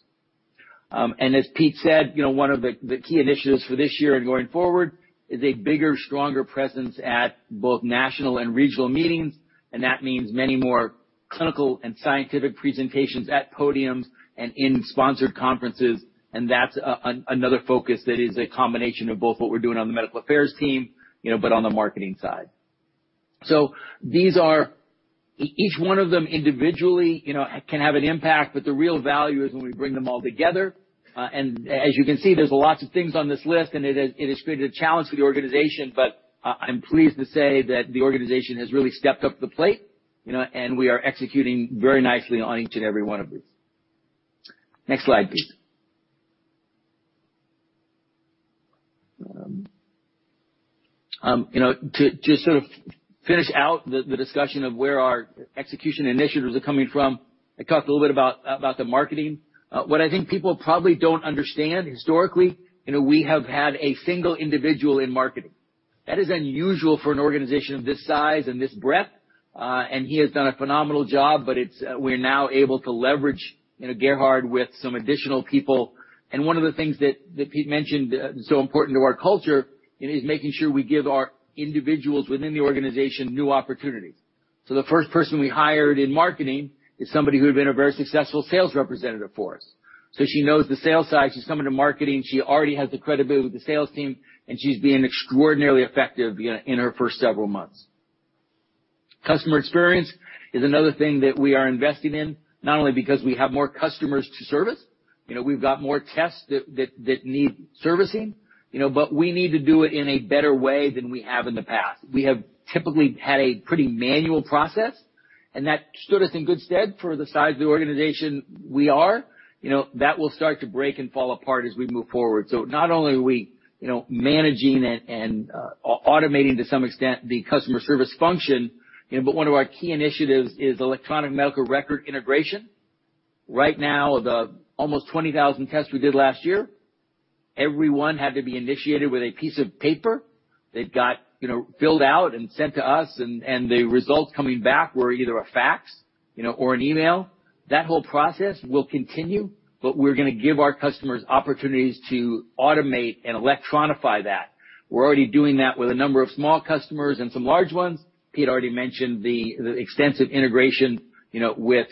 As Pete said, you know, one of the key initiatives for this year and going forward is a bigger, stronger presence at both national and regional meetings, and that means many more clinical and scientific presentations at podiums and in sponsored conferences, and that's another focus that is a combination of both what we're doing on the medical affairs team, you know, but on the marketing side. These are each one of them individually, you know, can have an impact, but the real value is when we bring them all together. As you can see, there's lots of things on this list, and it has created a challenge for the organization, but I'm pleased to say that the organization has really stepped up to the plate, you know, and we are executing very nicely on each and every one of these. Next slide, please. You know, to sort of finish out the discussion of where our execution initiatives are coming from, I talked a little bit about the marketing. What I think people probably don't understand historically, you know, we have had a single individual in marketing. That is unusual for an organization of this size and this breadth, and he has done a phenomenal job, but we're now able to leverage, you know, Gerhard with some additional people. One of the things that Pete mentioned, so important to our culture is making sure we give our individuals within the organization new opportunities. The first person we hired in marketing is somebody who had been a very successful sales representative for us. She knows the sales side. She's coming to marketing. She already has the credibility with the sales team, and she's been extraordinarily effective in her first several months. Customer experience is another thing that we are investing in, not only because we have more customers to service, you know, we've got more tests that need servicing, you know, but we need to do it in a better way than we have in the past. We have typically had a pretty manual process, and that stood us in good stead for the size of the organization we are. You know, that will start to break and fall apart as we move forward. Not only are we, you know, managing and automating to some extent the customer service function, you know, but one of our key initiatives is electronic medical record integration. Right now, the almost 20,000 tests we did last year, every one had to be initiated with a piece of paper that got, you know, filled out and sent to us and the results coming back were either a fax, you know, or an email. That whole process will continue, but we're gonna give our customers opportunities to automate and electronify that. We're already doing that with a number of small customers and some large ones. Pete already mentioned the extensive integration, you know, with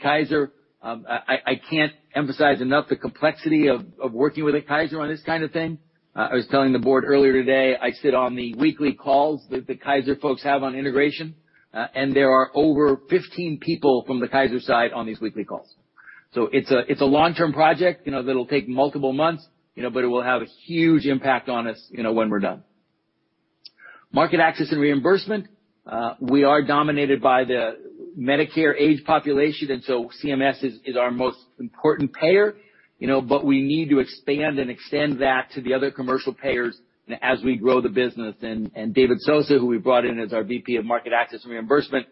Kaiser. I can't emphasize enough the complexity of working with a Kaiser Permanente on this kind of thing. I was telling the board earlier today, I sit on the weekly calls that the Kaiser Permanente folks have on integration, and there are over 15 people from the Kaiser Permanente side on these weekly calls. It's a long-term project, you know, that'll take multiple months, you know, but it will have a huge impact on us, you know, when we're done. Market access and reimbursement, we are dominated by the Medicare age population, and so CMS is our most important payer, you know. We need to expand and extend that to the other commercial payers as we grow the business. David Sosa, who we brought in as our VP of Market Access and Reimbursement,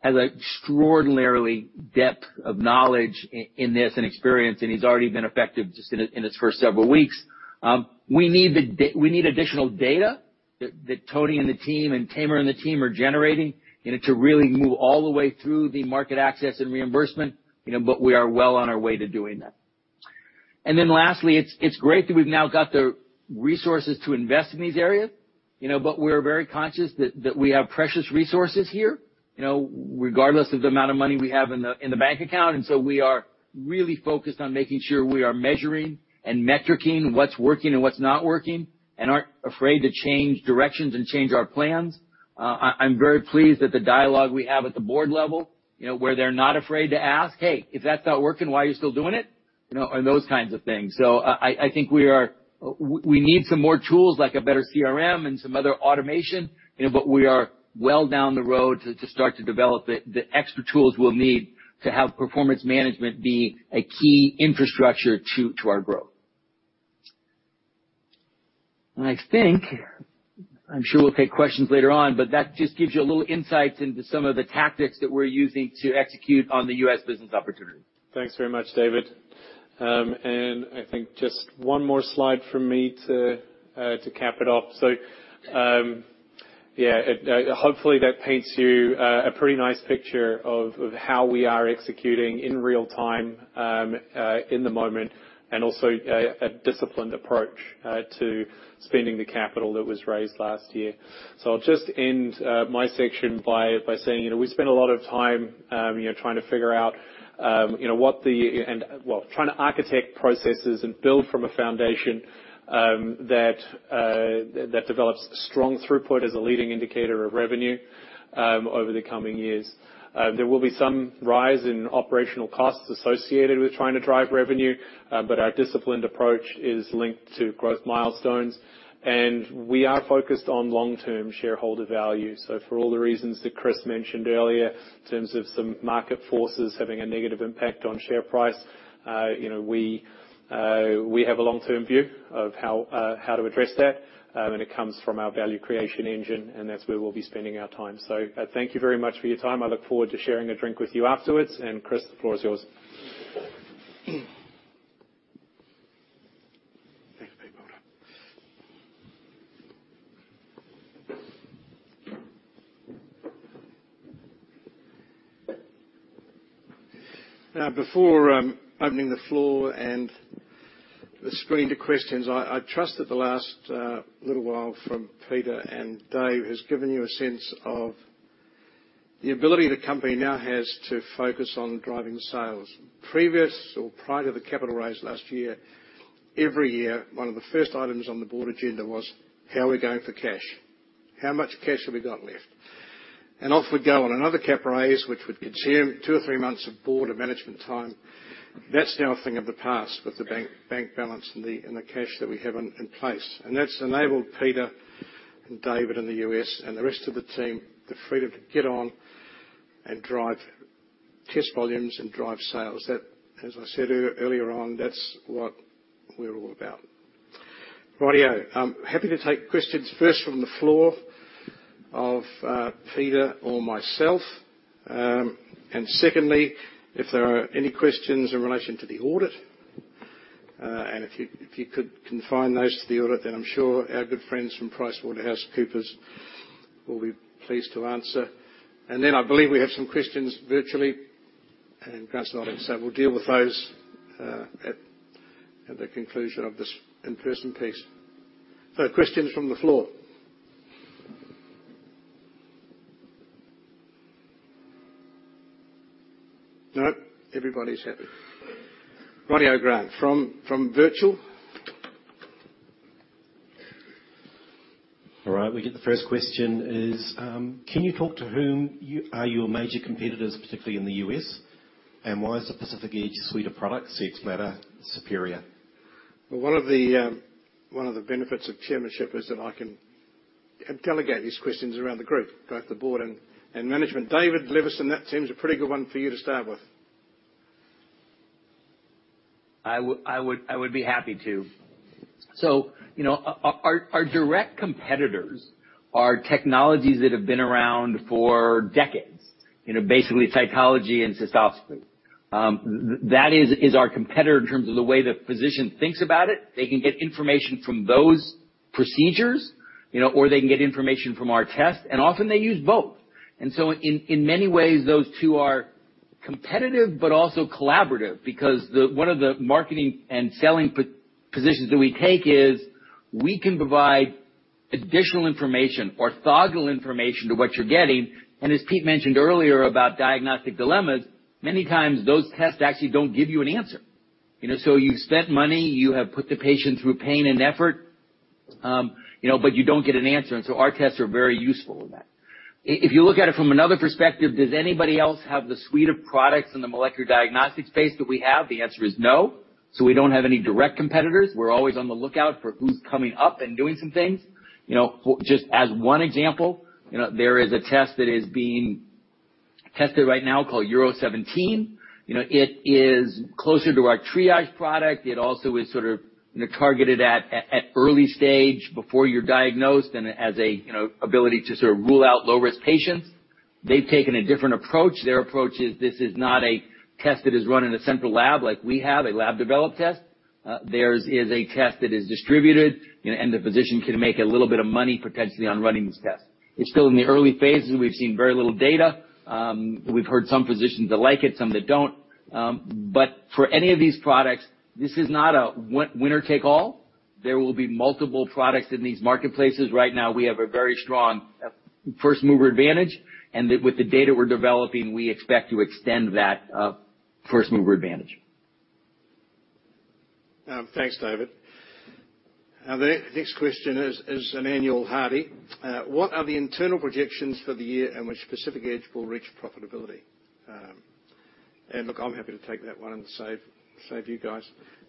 has extraordinary depth of knowledge in this and experience, and he's already been effective just in his first several weeks. We need additional data that Tony and the team and Tamer and the team are generating on it to really move all the way through the market access and reimbursement, you know, but we are well on our way to doing that. Then lastly, it's great that we've now got the resources to invest in these areas, you know, but we're very conscious that we have precious resources here, you know, regardless of the amount of money we have in the bank account. We are really focused on making sure we are measuring and metricing what's working and what's not working and aren't afraid to change directions and change our plans. I'm very pleased that the dialogue we have at the board level, you know, where they're not afraid to ask, "Hey, if that's not working, why are you still doing it?" You know, and those kinds of things. I think we are. We need some more tools, like a better CRM and some other automation, you know, but we are well down the road to start to develop the extra tools we'll need to have performance management be a key infrastructure to our growth. I think. I'm sure we'll take questions later on, but that just gives you a little insight into some of the tactics that we're using to execute on the U.S. business opportunity. Thanks very much, David. I think just one more slide from me to cap it off. Yeah, hopefully that paints you a pretty nice picture of how we are executing in real time, in the moment, and also a disciplined approach to spending the capital that was raised last year. I'll just end my section by saying, you know, we spend a lot of time, you know, trying to architect processes and build from a foundation that develops strong throughput as a leading indicator of revenue over the coming years. There will be some rise in operational costs associated with trying to drive revenue, but our disciplined approach is linked to growth milestones, and we are focused on long-term shareholder value. For all the reasons that Chris mentioned earlier in terms of some market forces having a negative impact on share price, you know, we have a long-term view of how to address that when it comes from our value creation engine, and that's where we'll be spending our time. Thank you very much for your time. I look forward to sharing a drink with you afterwards. Chris, the floor is yours. Thanks, Peter. Well done. Now, before opening the floor and the screen to questions, I trust that the last little while from Peter and Dave has given you a sense of the ability the company now has to focus on driving sales. Previous or prior to the capital raise last year, every year, one of the first items on the board agenda was how are we going for cash? How much cash have we got left? Off we'd go on another cap raise, which would consume two or three months of board and management time. That's now a thing of the past with the bank balance and the cash that we have in place. That's enabled Peter, and David in the U.S., and the rest of the team, the freedom to get on and drive test volumes and drive sales. That, as I said earlier on, that's what we're all about. Righty-ho. I'm happy to take questions first from the floor, or Peter or myself. Secondly, if there are any questions in relation to the audit, and if you could confine those to the audit, then I'm sure our good friends from PricewaterhouseCoopers will be pleased to answer. Then I believe we have some questions virtually, and Grant's nodding, so we'll deal with those at the conclusion of this in-person piece. Questions from the floor. No? Everybody's happy. Righty-ho, Grant, from virtual. All right. We've got the first question is, can you talk about who your major competitors are, particularly in the U.S., and why is the Pacific Edge suite of products Cxbladder superior? Well, one of the benefits of chairmanship is that I can delegate these questions around the group, both the board and management. David Levison, that seems a pretty good one for you to start with. I would be happy to. Our direct competitors are technologies that have been around for decades. You know, basically cytology and cystoscopy. That is our competitor in terms of the way the physician thinks about it. They can get information from those procedures, you know, or they can get information from our test, and often they use both. In many ways, those two are competitive, but also collaborative because one of the marketing and selling positions that we take is we can provide additional information, orthogonal information to what you're getting. As Peter mentioned earlier about diagnostic dilemmas, many times those tests actually don't give you an answer. You know, you've spent money, you have put the patient through pain and effort, you know, but you don't get an answer, and our tests are very useful in that. If you look at it from another perspective, does anybody else have the suite of products in the molecular diagnostics space that we have? The answer is no. We don't have any direct competitors. We're always on the lookout for who's coming up and doing some things. You know, just as one example, you know, there is a test that is being tested right now called URO17. You know, it is closer to our triage product. It also is sort of, you know, targeted at early stage before you're diagnosed and it has a, you know, ability to sort of rule out low-risk patients. They've taken a different approach. Their approach is, this is not a test that is run in a central lab like we have, a lab develop test. Theirs is a test that is distributed, you know, and the physician can make a little bit of money potentially on running this test. It's still in the early phases. We've seen very little data. We've heard some physicians that like it, some that don't. For any of these products, this is not a winner-take-all. There will be multiple products in these marketplaces. Right now, we have a very strong first-mover advantage, and with the data we're developing, we expect to extend that first-mover advantage. Thanks, David. The next question is an analyst Hardy. What are the internal projections for the year in which Pacific Edge will reach profitability? Look, I'm happy to take that one and save you guys.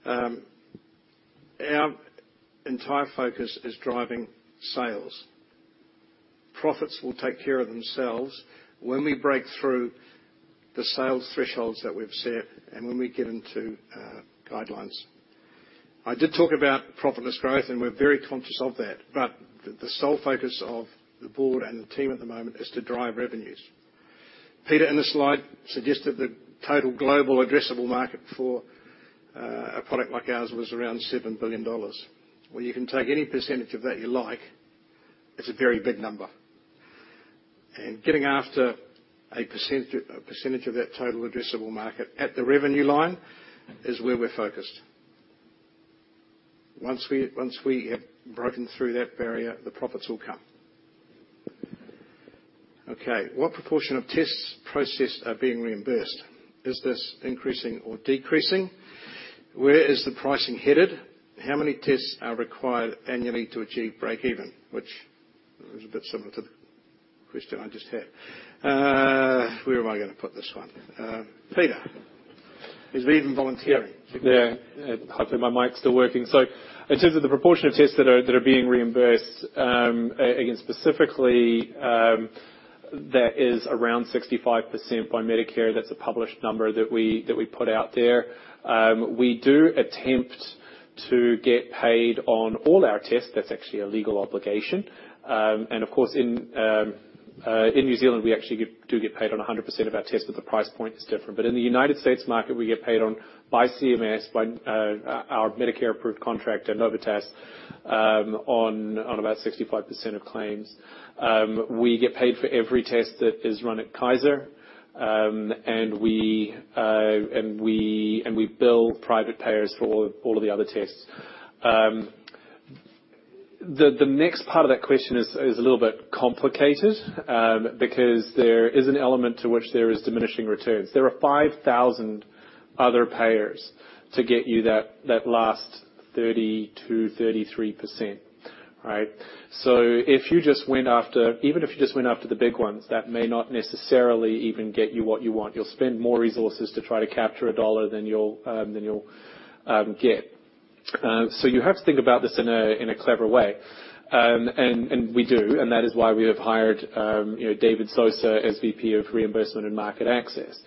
Our entire focus is driving sales. Profits will take care of themselves when we break through the sales thresholds that we've set and when we get into guidelines. I did talk about profitless growth, and we're very conscious of that, but the sole focus of the board and the team at the moment is to drive revenues. Peter, in the slide, suggested the total global addressable market for a product like ours was around 7 billion dollars. Well, you can take any percentage of that you like. It's a very big number. Getting after a percentage of that total addressable market at the revenue line is where we're focused. Once we have broken through that barrier, the profits will come. Okay, what proportion of tests processed are being reimbursed? Is this increasing or decreasing? Where is the pricing headed? How many tests are required annually to achieve break-even? Which is a bit similar to the question I just had. Where am I gonna put this one? Peter. Is even volunteering. Yeah. Hopefully my mic's still working. In terms of the proportion of tests that are being reimbursed, and specifically, that is around 65% by Medicare. That's a published number that we put out there. We do attempt to get paid on all our tests, that's actually a legal obligation. Of course, in New Zealand, we actually do get paid on 100% of our tests, but the price point is different. In the United States market, we get paid on by CMS, by our Medicare-approved contract at Novitas, on about 65% of claims. We get paid for every test that is run at Kaiser Permanente. We bill private payers for all of the other tests. The next part of that question is a little bit complicated, because there is an element to which there is diminishing returns. There are 5,000 other payers to get you that last 30%-33%. All right. Even if you just went after the big ones, that may not necessarily even get you what you want. You'll spend more resources to try to capture a dollar than you'll get. You have to think about this in a clever way. We do, and that is why we have hired, you know, David Sosa, SVP of Reimbursement and Market Access.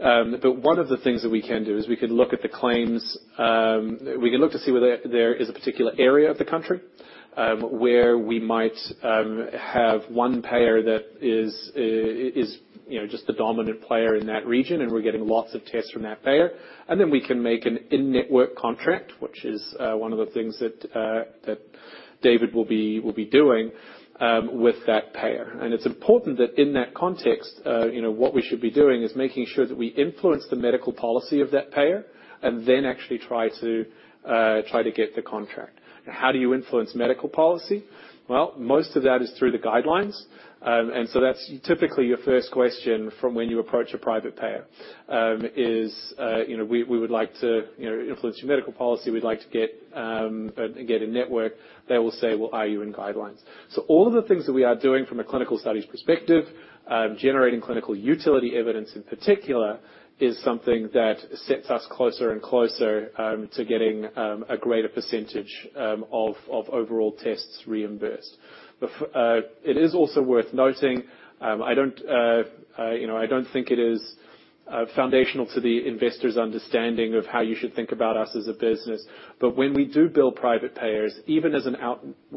One of the things that we can do is we can look at the claims. We can look to see whether there is a particular area of the country where we might have one payer that is, you know, just the dominant player in that region, and we're getting lots of tests from that payer. Then we can make an in-network contract, which is one of the things that David will be doing with that payer. It's important that in that context, you know, what we should be doing is making sure that we influence the medical policy of that payer and then actually try to get the contract. How do you influence medical policy? Well, most of that is through the guidelines. That's typically your first question from when you approach a private payer, is you know, we would like to, you know, influence your medical policy. We'd like to get in-network. They will say, "Well, are you in guidelines?" All of the things that we are doing from a clinical studies perspective, generating clinical utility evidence in particular, is something that sets us closer and closer to getting a greater percentage of overall tests reimbursed. But it is also worth noting, I don't, you know, think it is foundational to the investors' understanding of how you should think about us as a business, but when we do bill private payers, even as an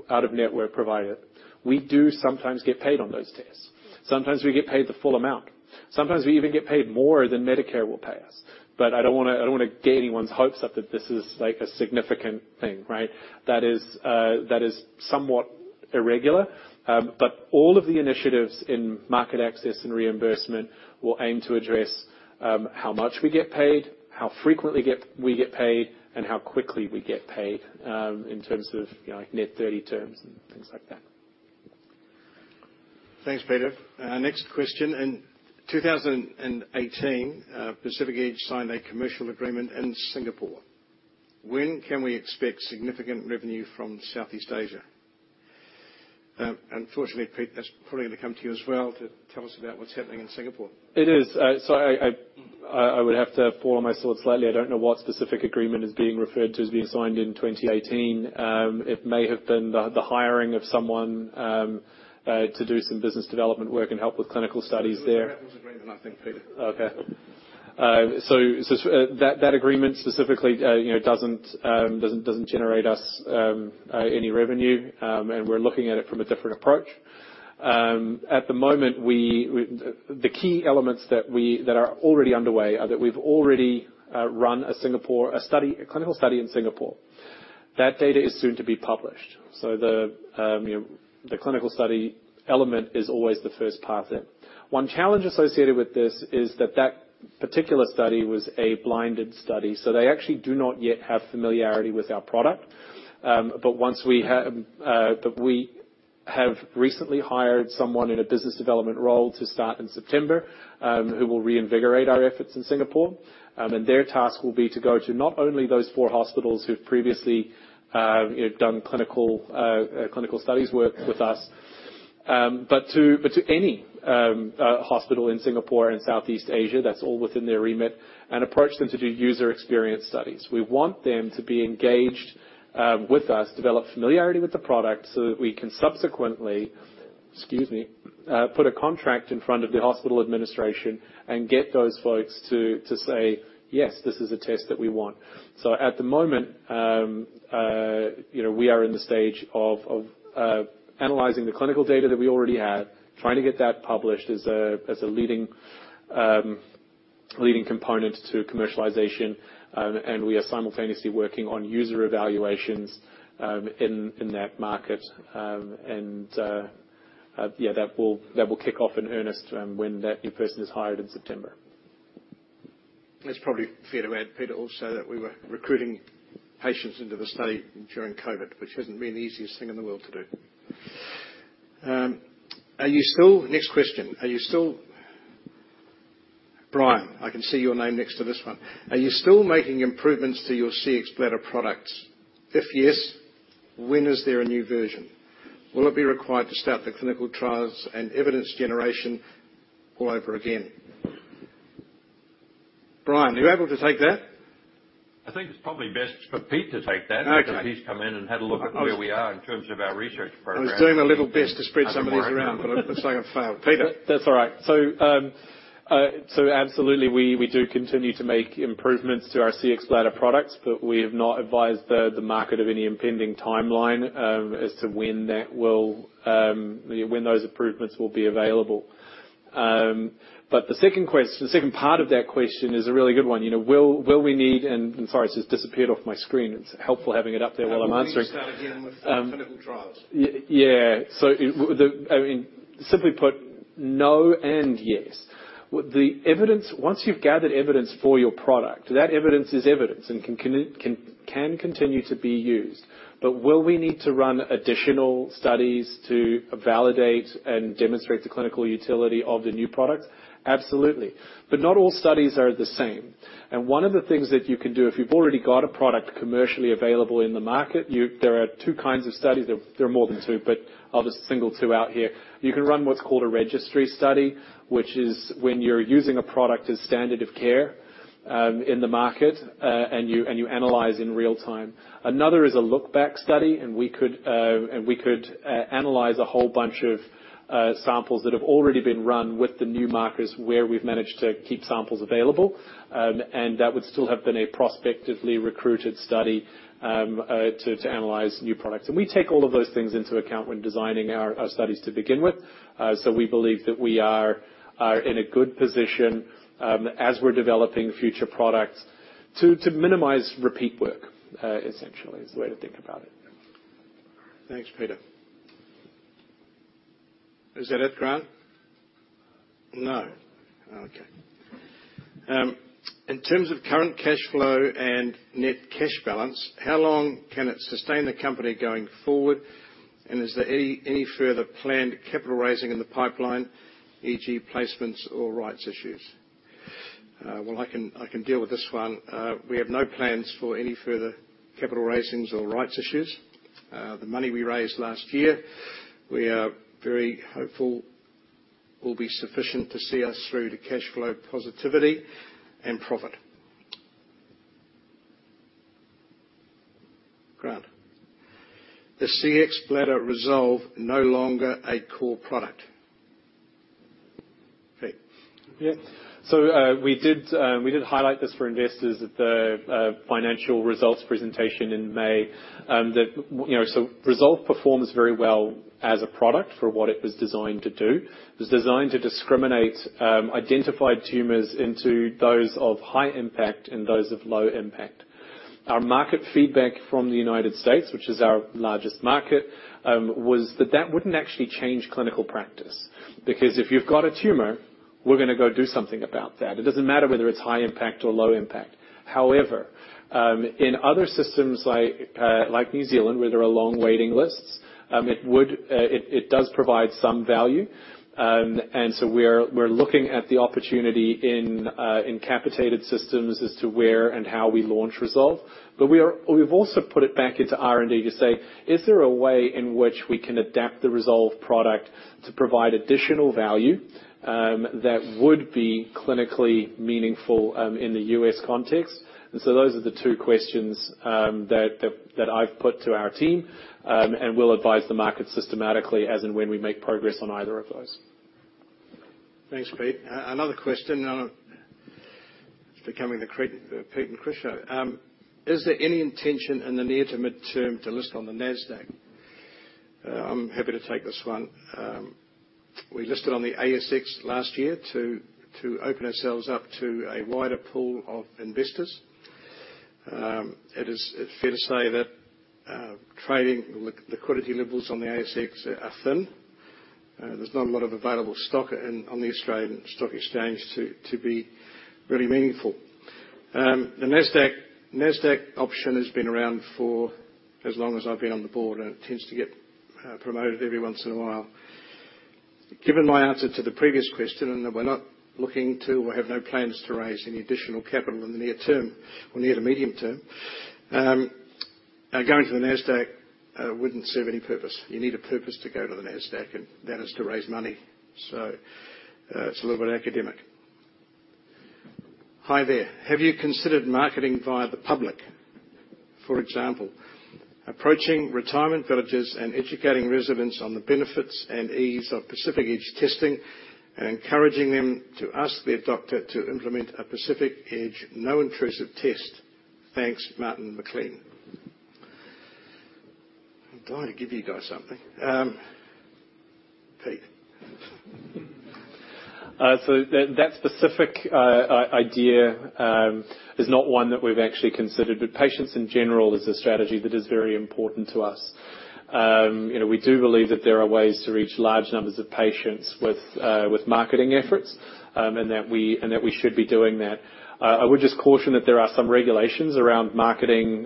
out-of-network provider, we do sometimes get paid on those tests. Sometimes we get paid the full amount. Sometimes we even get paid more than Medicare will pay us. I don't wanna get anyone's hopes up that this is, like, a significant thing, right? That is somewhat irregular. All of the initiatives in Market Access and Reimbursement will aim to address how much we get paid, how frequently we get paid, and how quickly we get paid, in terms of, you know, net 30 terms and things like that. Thanks, Peter. Next question. In 2018, Pacific Edge signed a commercial agreement in Singapore. When can we expect significant revenue from Southeast Asia? Unfortunately, Peter, that's probably gonna come to you as well, to tell us about what's happening in Singapore. It is. I would have to form my thoughts slightly. I don't know what specific agreement is being referred to as being signed in 2018. It may have been the hiring of someone to do some business development work and help with clinical studies there. It was an agreement, I think, Peter. That agreement specifically, you know, doesn't generate us any revenue, and we're looking at it from a different approach. At the moment, the key elements that are already underway are that we've already run a clinical study in Singapore. That data is soon to be published. The clinical study element is always the first path in. One challenge associated with this is that particular study was a blinded study, so they actually do not yet have familiarity with our product. We have recently hired someone in a business development role to start in September, who will reinvigorate our efforts in Singapore. Their task will be to go to not only those four hospitals who've previously, you know, done clinical studies work with us, but to any hospital in Singapore and Southeast Asia, that's all within their remit, and approach them to do user experience studies. We want them to be engaged with us, develop familiarity with the product, so that we can subsequently, excuse me, put a contract in front of the hospital administration and get those folks to say, "Yes, this is a test that we want." At the moment, you know, we are in the stage of analyzing the clinical data that we already have, trying to get that published as a leading component to commercialization, and we are simultaneously working on user evaluations in that market. That will kick off in earnest when that new person is hired in September. It's probably fair to add, Peter, also that we were recruiting patients into the study during COVID, which hasn't been the easiest thing in the world to do. Next question: Are you still making improvements to your Cxbladder products? If yes, when is there a new version? Will it be required to start the clinical trials and evidence generation all over again? Bryan, are you able to take that? I think it's probably best for Pete to take that. Okay. Because he's come in and had a look at where we are in terms of our research program. I was doing my little best to spread some of these around, but it looks like it failed. Peter. That's all right. Absolutely, we do continue to make improvements to our Cxbladder products, but we have not advised the market of any impending timeline as to when those improvements will be available. The second part of that question is a really good one. You know, will we need... Sorry, it's just disappeared off my screen. It's helpful having it up there while I'm answering. Will you start again with clinical trials? Yeah. I mean, simply put, no and yes. The evidence. Once you've gathered evidence for your product, that evidence is evidence and can continue to be used. Will we need to run additional studies to validate and demonstrate the clinical utility of the new product? Absolutely. Not all studies are the same. One of the things that you can do if you've already got a product commercially available in the market, there are two kinds of studies. There are more than two, but I'll just single two out here. You can run what's called a registry study, which is when you're using a product as standard of care, in the market, and you analyze in real time. Another is a look-back study, and we could analyze a whole bunch of samples that have already been run with the new markers where we've managed to keep samples available. That would still have been a prospectively recruited study to analyze new products. We take all of those things into account when designing our studies to begin with. We believe that we are in a good position as we're developing future products to minimize repeat work, essentially is the way to think about it. Thanks, Peter. Is that it, Grant? No. Okay. In terms of current cash flow and net cash balance, how long can it sustain the company going forward, and is there any further planned capital raising in the pipeline, e.g. placements or rights issues? Well, I can deal with this one. We have no plans for any further capital raisings or rights issues. The money we raised last year, we are very hopeful will be sufficient to see us through to cash flow positivity and profit. Grant. Is Cxbladder Resolve no longer a core product? Pete. We did highlight this for investors at the financial results presentation in May, that you know, Resolve performs very well as a product for what it was designed to do. It was designed to discriminate identified tumors into those of high impact and those of low impact. Our market feedback from the United States, which is our largest market, was that that wouldn't actually change clinical practice. Because if you've got a tumor, we're gonna go do something about that. It doesn't matter whether it's high impact or low impact. However, in other systems like New Zealand, where there are long waiting lists, it does provide some value. We're looking at the opportunity in capitated systems as to where and how we launch Resolve. We've also put it back into R&D to say, "Is there a way in which we can adapt the Resolve product to provide additional value, that would be clinically meaningful, in the U.S. context?" Those are the two questions that I've put to our team, and we'll advise the market systematically as and when we make progress on either of those. Thanks, Pete. Another question. It's becoming the Pete and Chris show. Is there any intention in the near to mid-term to list on the Nasdaq? I'm happy to take this one. We listed on the ASX last year to open ourselves up to a wider pool of investors. It is fair to say that trading liquidity levels on the ASX are thin. There's not a lot of available stock on the Australian Stock Exchange to be really meaningful. The Nasdaq option has been around for as long as I've been on the board, and it tends to get promoted every once in a while. Given my answer to the previous question, and that we're not looking to, or have no plans to raise any additional capital in the near term or near to medium term, going to the Nasdaq wouldn't serve any purpose. You need a purpose to go to the Nasdaq, and that is to raise money. It's a little bit academic. Hi there. Have you considered marketing via the public? For example, approaching retirement villages and educating residents on the benefits and ease of Pacific Edge testing and encouraging them to ask their doctor to implement a Pacific Edge non-intrusive test? Thanks. Martin McLean. I'm dying to give you guys something. Pete. That specific idea is not one that we've actually considered, but patients in general is a strategy that is very important to us. You know, we do believe that there are ways to reach large numbers of patients with marketing efforts, and that we should be doing that. I would just caution that there are some regulations around marketing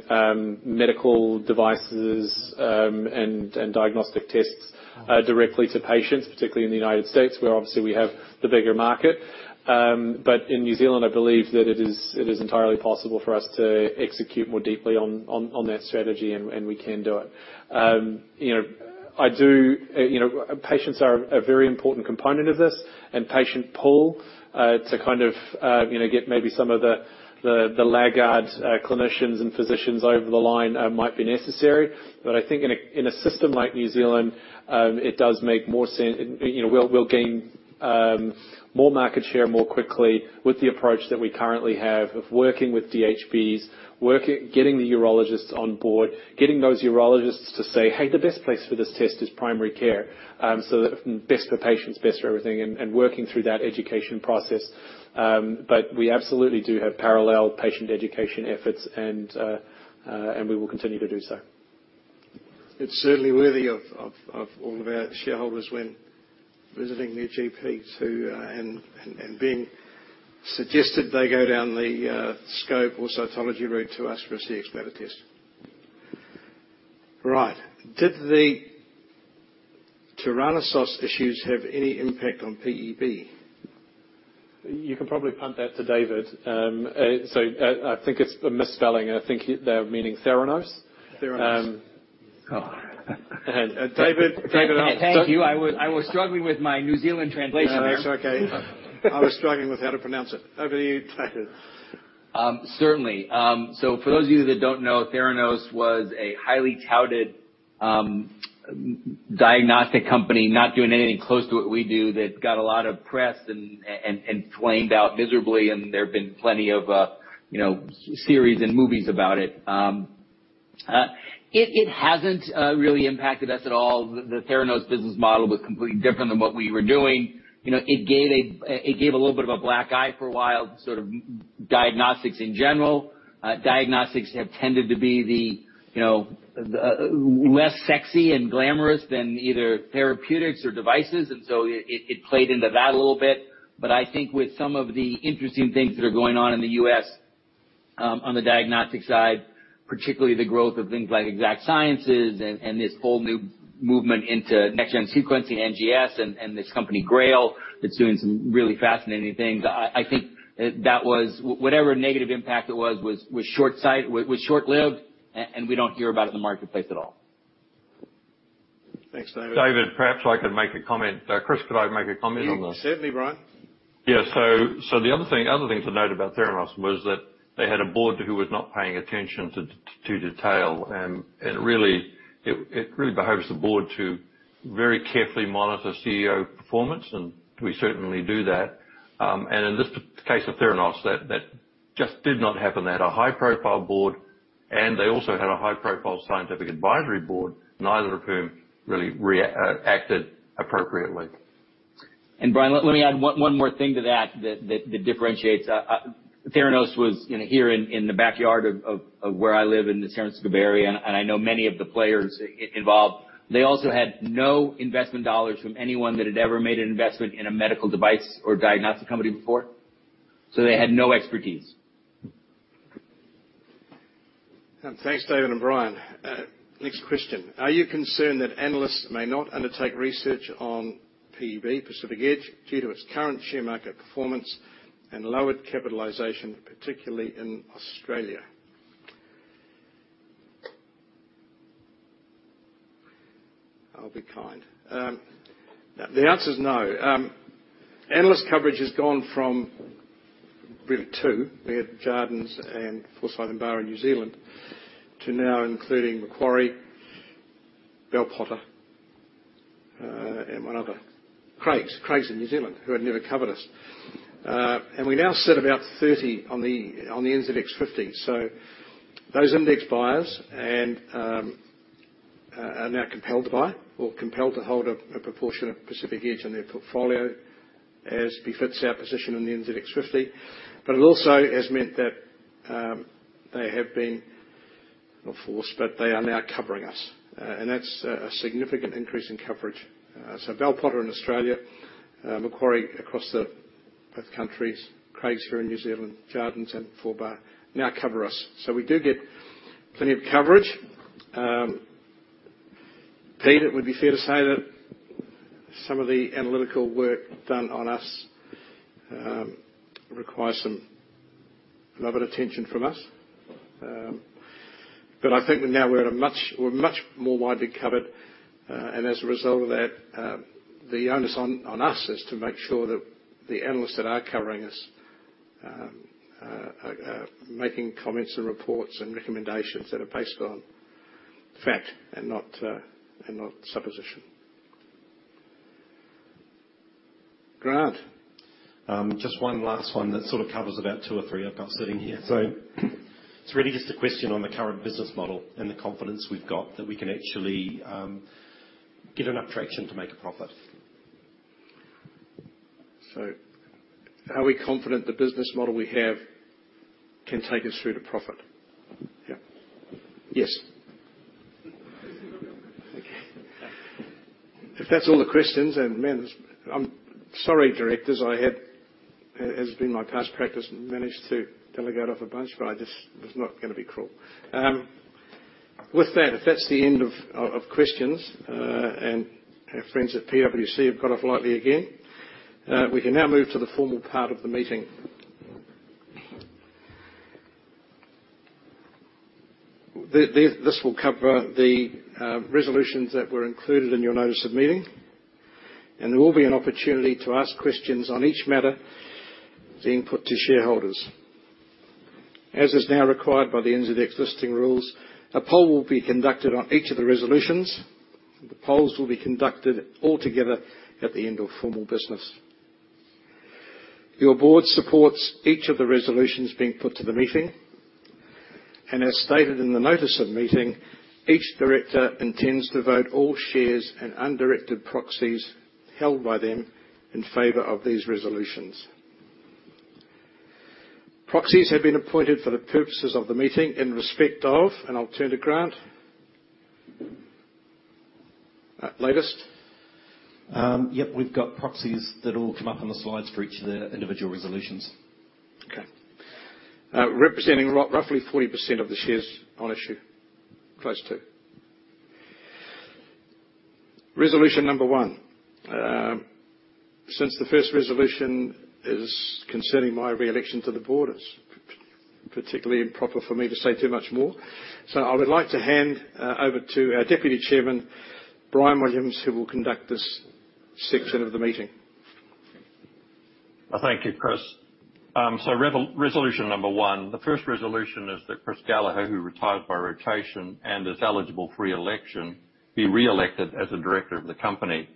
medical devices and diagnostic tests directly to patients, particularly in the United States, where obviously we have the bigger market. In New Zealand, I believe that it is entirely possible for us to execute more deeply on that strategy, and we can do it. You know, patients are a very important component of this and patient pool to kind of you know get maybe some of the laggard clinicians and physicians over the line might be necessary. I think in a system like New Zealand it does make more sense. You know, we'll gain more market share more quickly with the approach that we currently have of working with DHBs, getting the urologists on board, getting those urologists to say, "Hey, the best place for this test is primary care." So that best for patients, best for everything, and working through that education process. We absolutely do have parallel patient education efforts, and we will continue to do so. It's certainly worthy of all of our shareholders when visiting their GPs and being suggested they go down the scope or cytology route to us versus the Cxbladder test. Right. Did the Theranos issues have any impact on PEB? You can probably punt that to David. I think it's a misspelling. I think they're meaning Theranos. Theranos. Um. Oh. David. Thank you. I was struggling with my New Zealand translation there. No, that's okay. I was struggling with how to pronounce it. Over to you, David. Certainly. So for those of you that don't know, Theranos was a highly touted diagnostic company not doing anything close to what we do that got a lot of press and flamed out miserably, and there have been plenty of, you know, series and movies about it. It hasn't really impacted us at all. The Theranos business model was completely different than what we were doing. You know, it gave a little bit of a black eye for a while, sort of diagnostics in general. Diagnostics have tended to be the, you know, less sexy and glamorous than either therapeutics or devices. It played into that a little bit. I think with some of the interesting things that are going on in the U.S., on the diagnostic side, particularly the growth of things like Exact Sciences and this whole new movement into next-gen sequencing, NGS, and this company, GRAIL, that's doing some really fascinating things. I think that was whatever negative impact it was short-lived, and we don't hear about it in the marketplace at all. Thanks, David. David, perhaps I could make a comment. Chris, could I make a comment on this? Certainly, Bryan. The other thing to note about Theranos was that they had a board who was not paying attention to detail. It really behooves the board to very carefully monitor CEO performance, and we certainly do that. In this case of Theranos, that just did not happen. They had a high-profile board, and they also had a high-profile scientific advisory board, neither of whom really reacted appropriately. Bryan, let me add one more thing to that that differentiates. Theranos was, you know, here in the backyard of where I live in the San Francisco Bay Area, and I know many of the players involved. They also had no investment dollars from anyone that had ever made an investment in a medical device or diagnostic company before. They had no expertise. Thanks, David and Bryan. Next question: Are you concerned that analysts may not undertake research on PEB, Pacific Edge, due to its current share market performance and lowered capitalization, particularly in Australia? I'll be kind. The answer is no. Analyst coverage has gone from really two, we had Jarden and Forsyth Barr in New Zealand, to now including Macquarie, Bell Potter, and one other. Craigs in New Zealand, who had never covered us. And we now sit about 30 on the NZX 50. Those index buyers and are now compelled by or compelled to hold a proportion of Pacific Edge in their portfolio as befits our position in the NZX 50. It also has meant that they have been, not forced, but they are now covering us. And that's a significant increase in coverage. Bell Potter in Australia, Macquarie across both countries, Craigs here in New Zealand, Jarden and Forsyth Barr now cover us. We do get plenty of coverage. Pete, it would be fair to say that some of the analytical work done on us requires a lot of attention from us. But I think now we're much more widely covered. As a result of that, the onus on us is to make sure that the analysts that are covering us are making comments and reports and recommendations that are based on fact and not supposition. Grant. Just one last one that sort of covers about two or three I've got sitting here. It's really just a question on the current business model and the confidence we've got that we can actually get enough traction to make a profit. Are we confident the business model we have can take us through to profit? Yeah. Yes. Okay. If that's all the questions, and man, I'm sorry, directors. As has been my past practice, managed to delegate off a bunch, but I just was not gonna be cruel. With that, if that's the end of questions, and our friends at PwC have got off lightly again, we can now move to the formal part of the meeting. This will cover the resolutions that were included in your notice of meeting, and there will be an opportunity to ask questions on each matter being put to shareholders. As is now required by the NZX listing rules, a poll will be conducted on each of the resolutions. The polls will be conducted all together at the end of formal business. Your board supports each of the resolutions being put to the meeting, and as stated in the notice of meeting, each director intends to vote all shares and undirected proxies held by them in favor of these resolutions. Proxies have been appointed for the purposes of the meeting in respect of, and I'll turn to Grant. Latest. Yep, we've got proxies that all come up on the slides for each of the individual resolutions. Okay. Representing roughly 40% of the shares on issue. Close to. Resolution number one. Since the first resolution is concerning my re-election to the board, it's particularly improper for me to say too much more. I would like to hand over to our deputy chairman, Bryan Williams, who will conduct this section of the meeting. Thank you, Chris. Resolution number one. The first resolution is that Chris Gallaher, who retired by rotation and is eligible for re-election, be re-elected as a director of the company.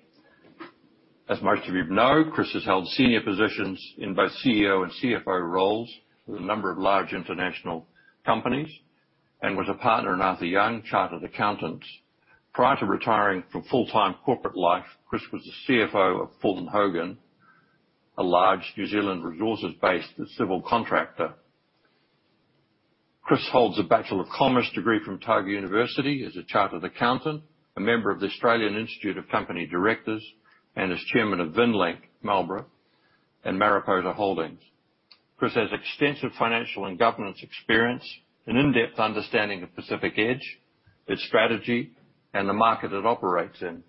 As most of you know, Chris has held senior positions in both CEO and CFO roles with a number of large international companies, and was a partner in Arthur Young & Co. Prior to retiring from full-time corporate life, Chris was the CFO of Fulton Hogan, a large New Zealand resources-based civil contractor. Chris holds a Bachelor of Commerce degree from University of Otago, is a chartered accountant, a member of the Australian Institute of Company Directors, and is Chairman of VinLink Marlborough and Mariposa Holdings. Chris has extensive financial and governance experience, an in-depth understanding of Pacific Edge, its strategy, and the market it operates in.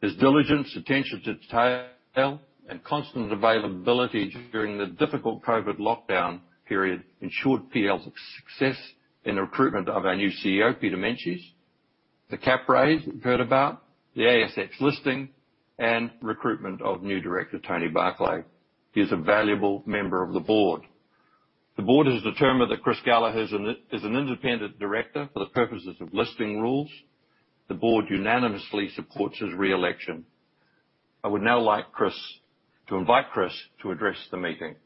His diligence, attention to detail, and constant availability during the difficult COVID lockdown period ensured PE's success in the recruitment of our new CEO, Peter Meintjes, the cap raise we've heard about, the ASX listing, and recruitment of new director, Tony Barclay. He is a valuable member of the board. The board has determined that Chris Gallaher is an Independent Director for the purposes of listing rules. The board unanimously supports his re-election. I would now like to invite Chris to address the meeting.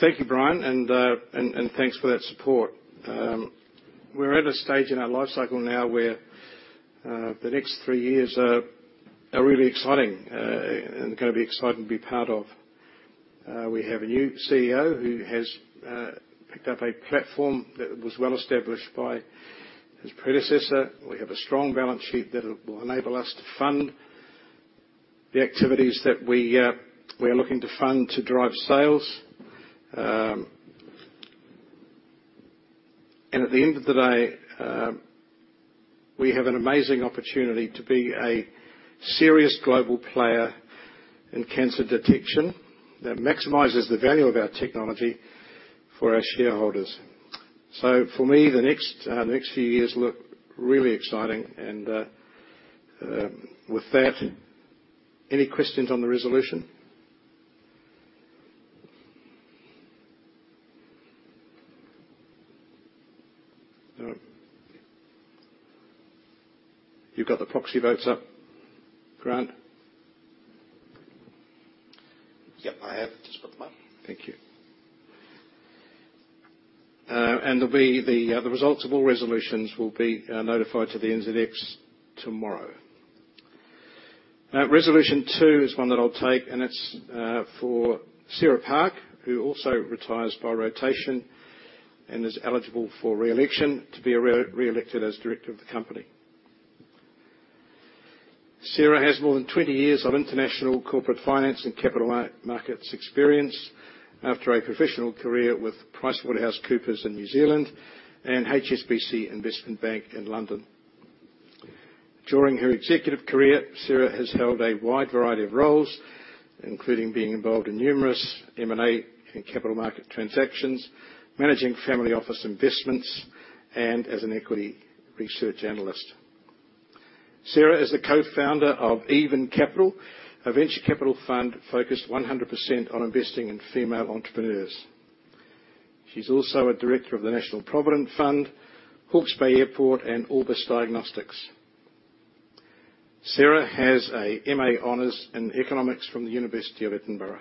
Thank you, Bryan, and thanks for that support. We're at a stage in our lifecycle now where the next three years are really exciting and gonna be exciting to be part of. We have a new CEO who has picked up a platform that was well-established by his predecessor. We have a strong balance sheet that'll enable us to fund the activities that we are looking to fund to drive sales. At the end of the day, we have an amazing opportunity to be a serious global player in cancer detection that maximizes the value of our technology for our shareholders. For me, the next few years look really exciting. With that, any questions on the resolution? No. You've got the proxy votes up, Grant? Yep, I have just put them up. Thank you. The results of all resolutions will be notified to the NZX tomorrow. Resolution two is one that I'll take, and it's for Sarah Park, who also retires by rotation and is eligible for re-election to be re-elected as Director of the company. Sarah has more than 20 years of international corporate finance and capital markets experience after a professional career with PricewaterhouseCoopers in New Zealand and HSBC Investment Bank in London. During her executive career, Sarah has held a wide variety of roles, including being involved in numerous M&A and capital market transactions, managing family office investments, and as an equity research analyst. Sarah is the Co-Founder of Even Capital, a venture capital fund focused 100% on investing in female entrepreneurs. She's also a director of the National Provident Fund, Hawke's Bay Airport, and Orbis Diagnostics. Sarah has a M.A. honors in economics from the University of Edinburgh.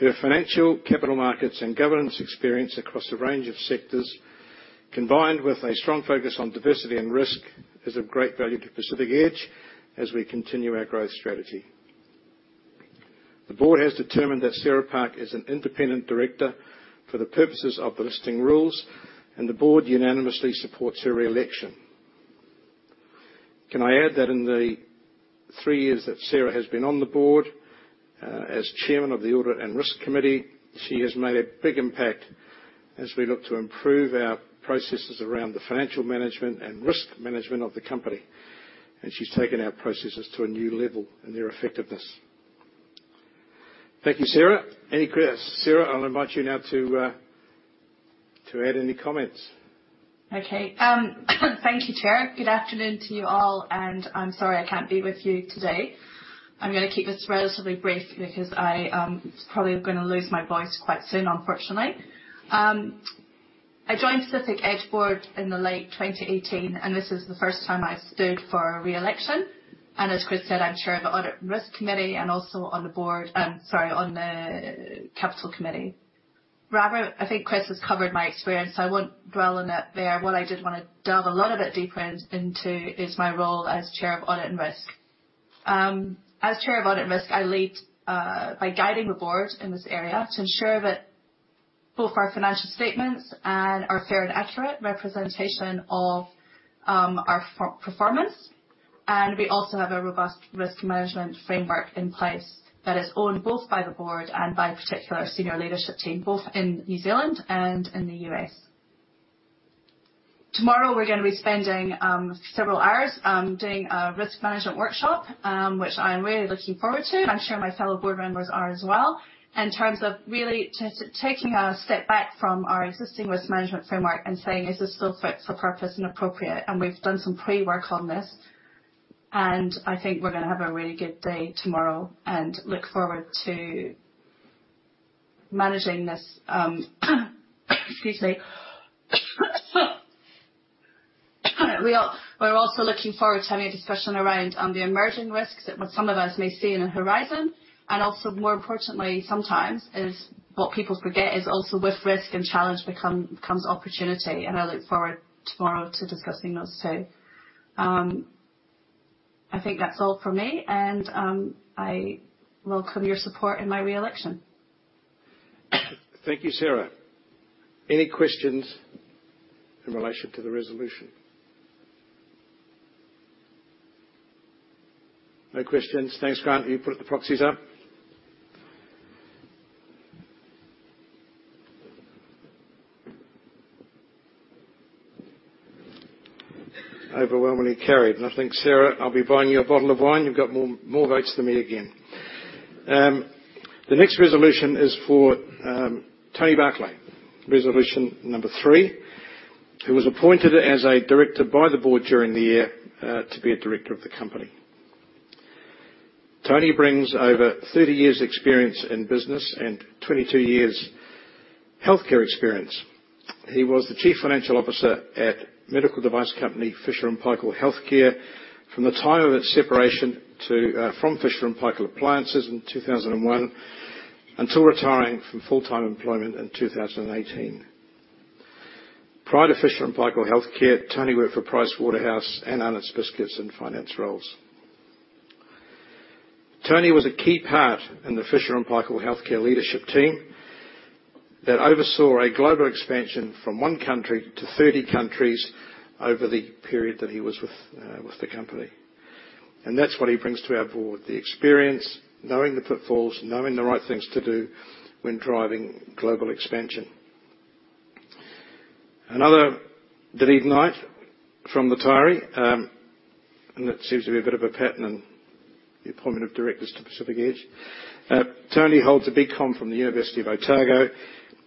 Her financial, capital markets, and governance experience across a range of sectors, combined with a strong focus on diversity and risk, is of great value to Pacific Edge as we continue our growth strategy. The board has determined that Sarah Park is an Independent Director for the purposes of the listing rules, and the board unanimously supports her reelection. Can I add that in the three years that Sarah has been on the board, as chairman of the Audit and Risk Committee, she has made a big impact as we look to improve our processes around the financial management and risk management of the company. She's taken our processes to a new level in their effectiveness. Thank you, Sarah. Any questions. Sarah, I'll invite you now to add any comments. Okay. Thank you, Chair. Good afternoon to you all, and I'm sorry I can't be with you today. I'm gonna keep this relatively brief because I probably gonna lose my voice quite soon, unfortunately. I joined Pacific Edge board in the late 2018, and this is the first time I've stood for reelection. As Chris Gallaher said, I'm chair of the Audit and Risk Committee and also on the board, sorry, on the Capital Committee. Rather, I think Chris Gallaher has covered my experience, so I won't dwell on that there. What I did wanna delve a little bit deeper into is my role as chair of Audit and Risk. As Chair of Audit and Risk, I lead by guiding the board in this area to ensure that both our financial statements are a fair and accurate representation of our financial performance. We also have a robust risk management framework in place that is owned both by the board and by particular senior leadership team, both in New Zealand and in the U.S. Tomorrow, we're gonna be spending several hours doing a risk management workshop, which I'm really looking forward to, and I'm sure my fellow board members are as well. In terms of really taking a step back from our existing risk management framework and saying, "Is this still fit for purpose and appropriate?" We've done some pre-work on this, and I think we're gonna have a really good day tomorrow and look forward to managing this, excuse me. We're also looking forward to having a discussion around the emerging risks that some of us may see on the horizon. More importantly, sometimes what people forget is also with risk and challenge comes opportunity, and I look forward tomorrow to discussing those, too. I think that's all from me and, I welcome your support in my reelection. Thank you, Sarah. Any questions in relation to the resolution? No questions. Thanks, Grant. You put the proxies up. Overwhelmingly carried. I think, Sarah, I'll be buying you a bottle of wine. You've got more votes than me again. The next resolution is for Tony Barclay. Resolution number three, who was appointed as a Director by the board during the year, to be a Director of the company. Tony brings over 30 years' experience in business and 22 years healthcare experience. He was the Chief Financial Officer at medical device company Fisher & Paykel Healthcare from the time of its separation to from Fisher & Paykel Appliances in 2001 until retiring from full-time employment in 2018. Prior to Fisher & Paykel Healthcare, Tony worked for PricewaterhouseCoopers and Arnott's Biscuits in finance roles. Tony was a key part in the Fisher & Paykel Healthcare leadership team that oversaw a global expansion from one country to 30 countries over the period that he was with the company. That's what he brings to our board, the experience, knowing the pitfalls, knowing the right things to do when driving global expansion. Another Dunedinite, and that seems to be a bit of a pattern in the appointment of directors to Pacific Edge. Tony holds a BCom from the University of Otago,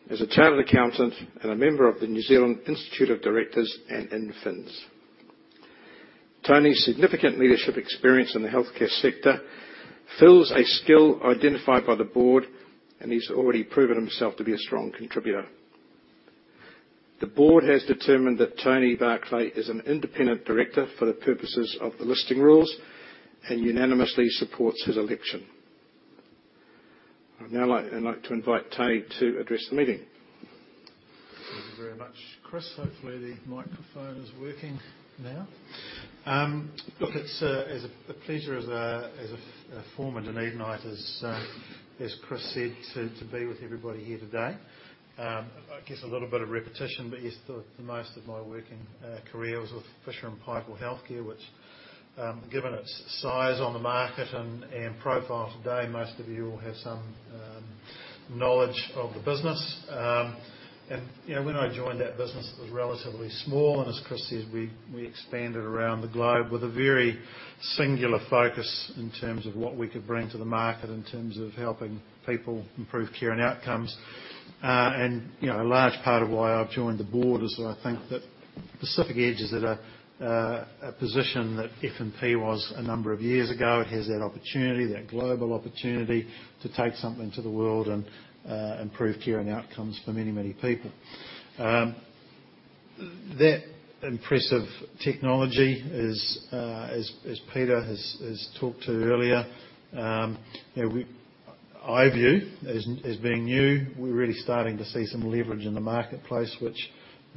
is a chartered accountant and a member of the New Zealand Institute of Directors and INFINZ. Tony's significant leadership experience in the healthcare sector fills a skill identified by the board, and he's already proven himself to be a strong contributor. The board has determined that Tony Barclay is an independent director for the purposes of the listing rules and unanimously supports his election. I'd now like to invite Tony to address the meeting. Thank you very much, Chris. Hopefully, the microphone is working now. Look, it's a pleasure as a former Dunedinite, as Chris said, to be with everybody here today. I guess a little bit of repetition, but yes, the most of my working career was with Fisher & Paykel Healthcare, which, given its size on the market and profile today, most of you will have some knowledge of the business. You know, when I joined that business, it was relatively small, and as Chris says, we expanded around the globe with a very singular focus in terms of what we could bring to the market, in terms of helping people improve care and outcomes. You know, a large part of why I've joined the board is that I think that Pacific Edge is at a position that F&P was a number of years ago. It has that opportunity, that global opportunity to take something to the world and improve care and outcomes for many, many people. That impressive technology as Peter has talked to earlier, you know, I view as nascent being new. We're really starting to see some leverage in the marketplace, which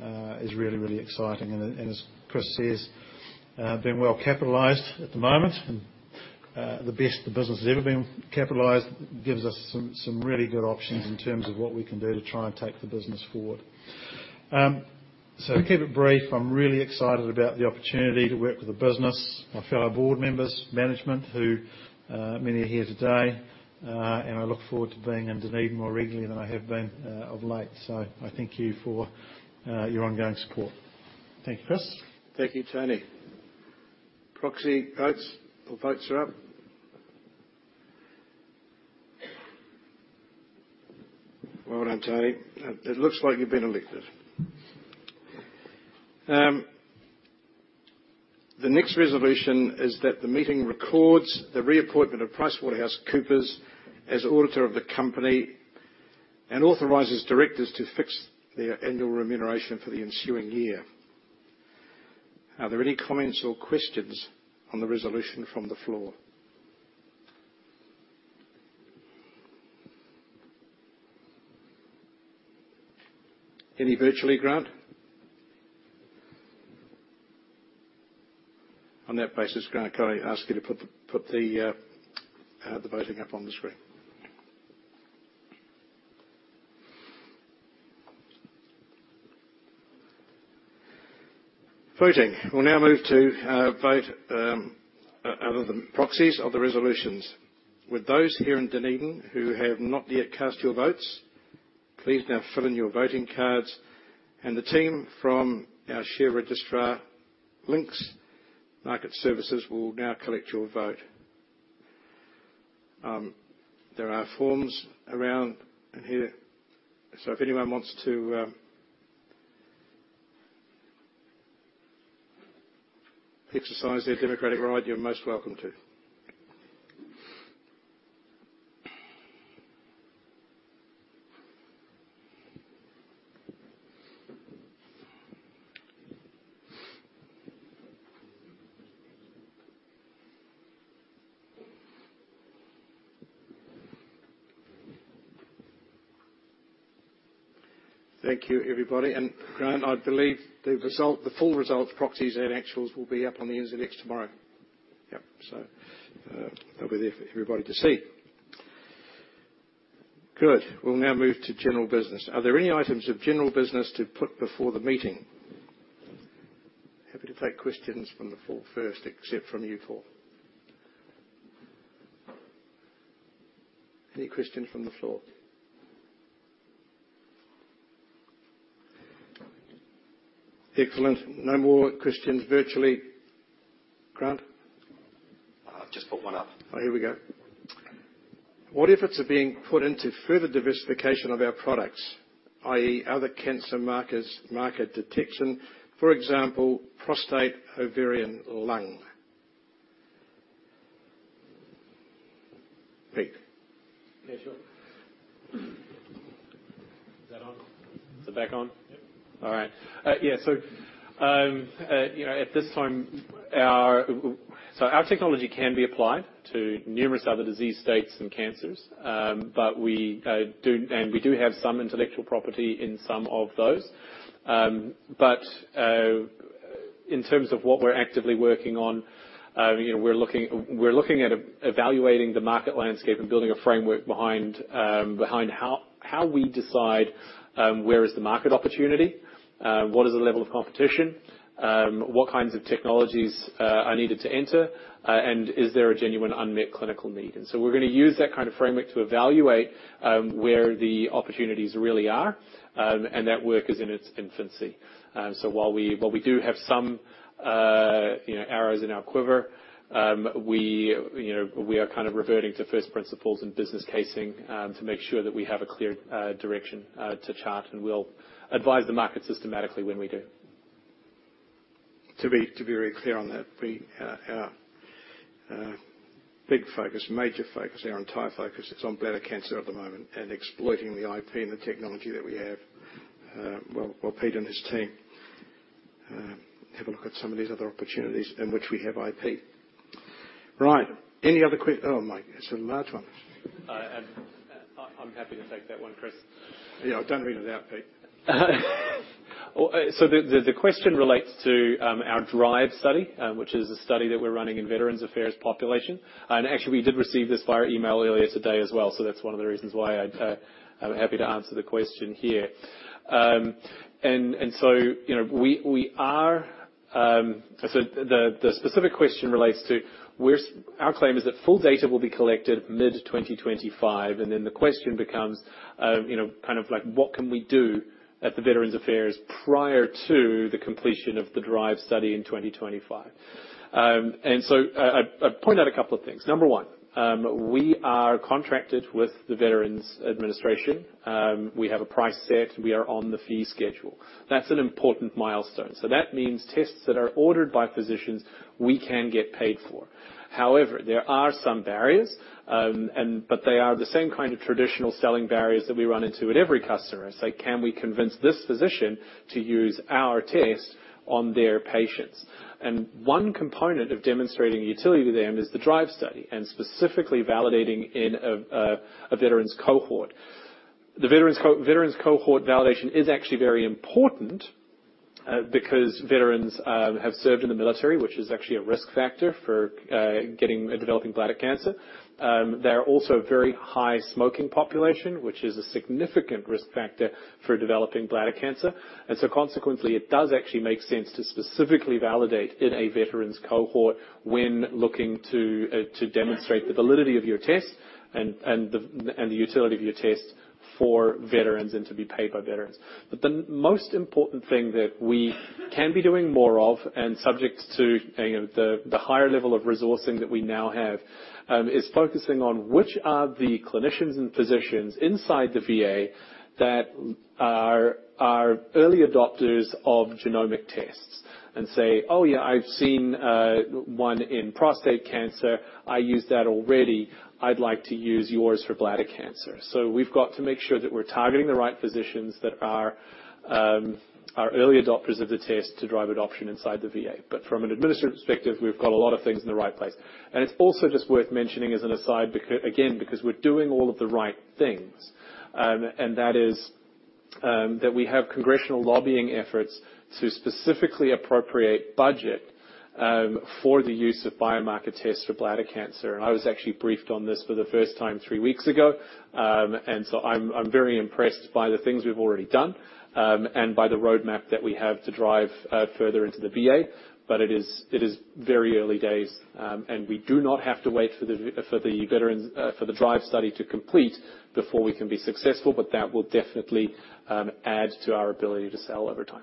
is really, really exciting. As Chris says, been well capitalized at the moment, and the best the business has ever been capitalized gives us some really good options in terms of what we can do to try and take the business forward. To keep it brief, I'm really excited about the opportunity to work with the business, my fellow board members, management, who many are here today. I look forward to being in Dunedin more regularly than I have been of late. I thank you for your ongoing support. Thank you, Chris. Thank you, Tony. Proxy votes or votes are up. Well done, Tony. It looks like you've been elected. The next resolution is that the meeting records the reappointment of PricewaterhouseCoopers as auditor of the company and authorizes directors to fix their annual remuneration for the ensuing year. Are there any comments or questions on the resolution from the floor? Any virtually, Grant? On that basis, Grant, can I ask you to put the voting up on the screen? Voting. We'll now move to vote the proxies of the resolutions. Would those here in Dunedin who have not yet cast your votes, please now fill in your voting cards, and the team from our share registrar, Link Market Services, will now collect your vote. There are forms around in here, so if anyone wants to exercise their democratic right, you're most welcome to. Thank you, everybody. Grant, I believe the result, the full result proxies and actuals will be up on the NZX tomorrow. Yep. That'll be there for everybody to see. Good. We'll now move to general business. Are there any items of general business to put before the meeting? Happy to take questions from the floor first, except from you four. Any questions from the floor? Excellent. No more questions virtually. Grant? Just put one up. Oh, here we go. What efforts are being put into further diversification of our products, i.e., other cancer markers, market detection, for example, prostate, ovarian or lung? Pete. Yeah, sure. Is that on? Is it back on? Yep. Our technology can be applied to numerous other disease states and cancers, but we do have some intellectual property in some of those. In terms of what we're actively working on, you know, we're looking at evaluating the market landscape and building a framework behind how we decide where is the market opportunity, what is the level of competition, what kinds of technologies are needed to enter, and is there a genuine unmet clinical need. We're gonna use that kind of framework to evaluate where the opportunities really are, and that work is in its infancy. While we do have some, you know, arrows in our quiver, we, you know, we are kind of reverting to first principles and business casing to make sure that we have a clear direction to chart, and we'll advise the market systematically when we do. To be very clear on that, our big focus, major focus, our entire focus is on bladder cancer at the moment and exploiting the IP and the technology that we have, while Pete and his team have a look at some of these other opportunities in which we have IP. Right. Any other? Oh, Mike, it's a large one. I'm happy to take that one, Chris. Yeah, don't leave without Pete. The question relates to our DRIVE study, which is a study that we're running in a Veterans Affairs population. Actually, we did receive this via email earlier today as well. That's one of the reasons why I'm happy to answer the question here. You know, we are. The specific question relates to our claim that full data will be collected mid-2025, and then the question becomes, you know, kind of like what can we do at the Veterans Affairs prior to the completion of the DRIVE study in 2025. I point out a couple of things. Number one, we are contracted with the Veterans Administration. We have a price set. We are on the fee schedule. That's an important milestone. That means tests that are ordered by physicians, we can get paid for. However, there are some barriers, but they are the same kind of traditional selling barriers that we run into at every customer, and say, "Can we convince this physician to use our test on their patients?" One component of demonstrating utility to them is the DRIVE study, and specifically validating in a veterans cohort. The veterans cohort validation is actually very important, because veterans have served in the military, which is actually a risk factor for getting and developing bladder cancer. They are also a very high smoking population, which is a significant risk factor for developing bladder cancer. Consequently, it does actually make sense to specifically validate in a veterans cohort when looking to demonstrate the validity of your test and the utility of your test for veterans and to be paid by veterans. The most important thing that we can be doing more of, and subject to any of the higher level of resourcing that we now have, is focusing on which are the clinicians and physicians inside the VA that are early adopters of genomic tests and say, "Oh, yeah, I've seen one in prostate cancer. I use that already. I'd like to use yours for bladder cancer." We've got to make sure that we're targeting the right physicians that are early adopters of the test to drive adoption inside the VA. From an administrative perspective, we've got a lot of things in the right place. It's also just worth mentioning as an aside, because we're doing all of the right things. That is, we have congressional lobbying efforts to specifically appropriate budget for the use of biomarker tests for bladder cancer. I was actually briefed on this for the first time three weeks ago. I'm very impressed by the things we've already done, and by the roadmap that we have to drive further into the VA. It is very early days. We do not have to wait for the veterans for the DRIVE study to complete before we can be successful, but that will definitely add to our ability to sell over time.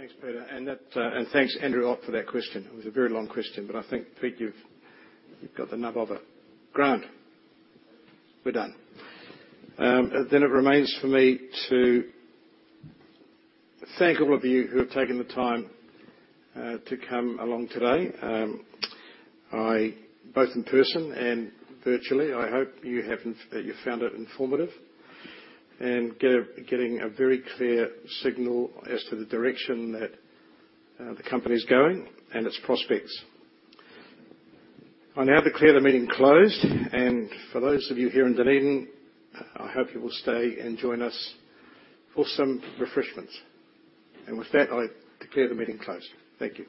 Thanks, Peter, and thanks, Andrew Ott, for that question. It was a very long question, but I think, Pete, you've got the nub of it. Grant. We're done. Then it remains for me to thank all of you who have taken the time to come along today, both in person and virtually. I hope you found it informative and getting a very clear signal as to the direction that the company's going and its prospects. I now declare the meeting closed, and for those of you here in Dunedin, I hope you will stay and join us for some refreshments. With that, I declare the meeting closed. Thank you.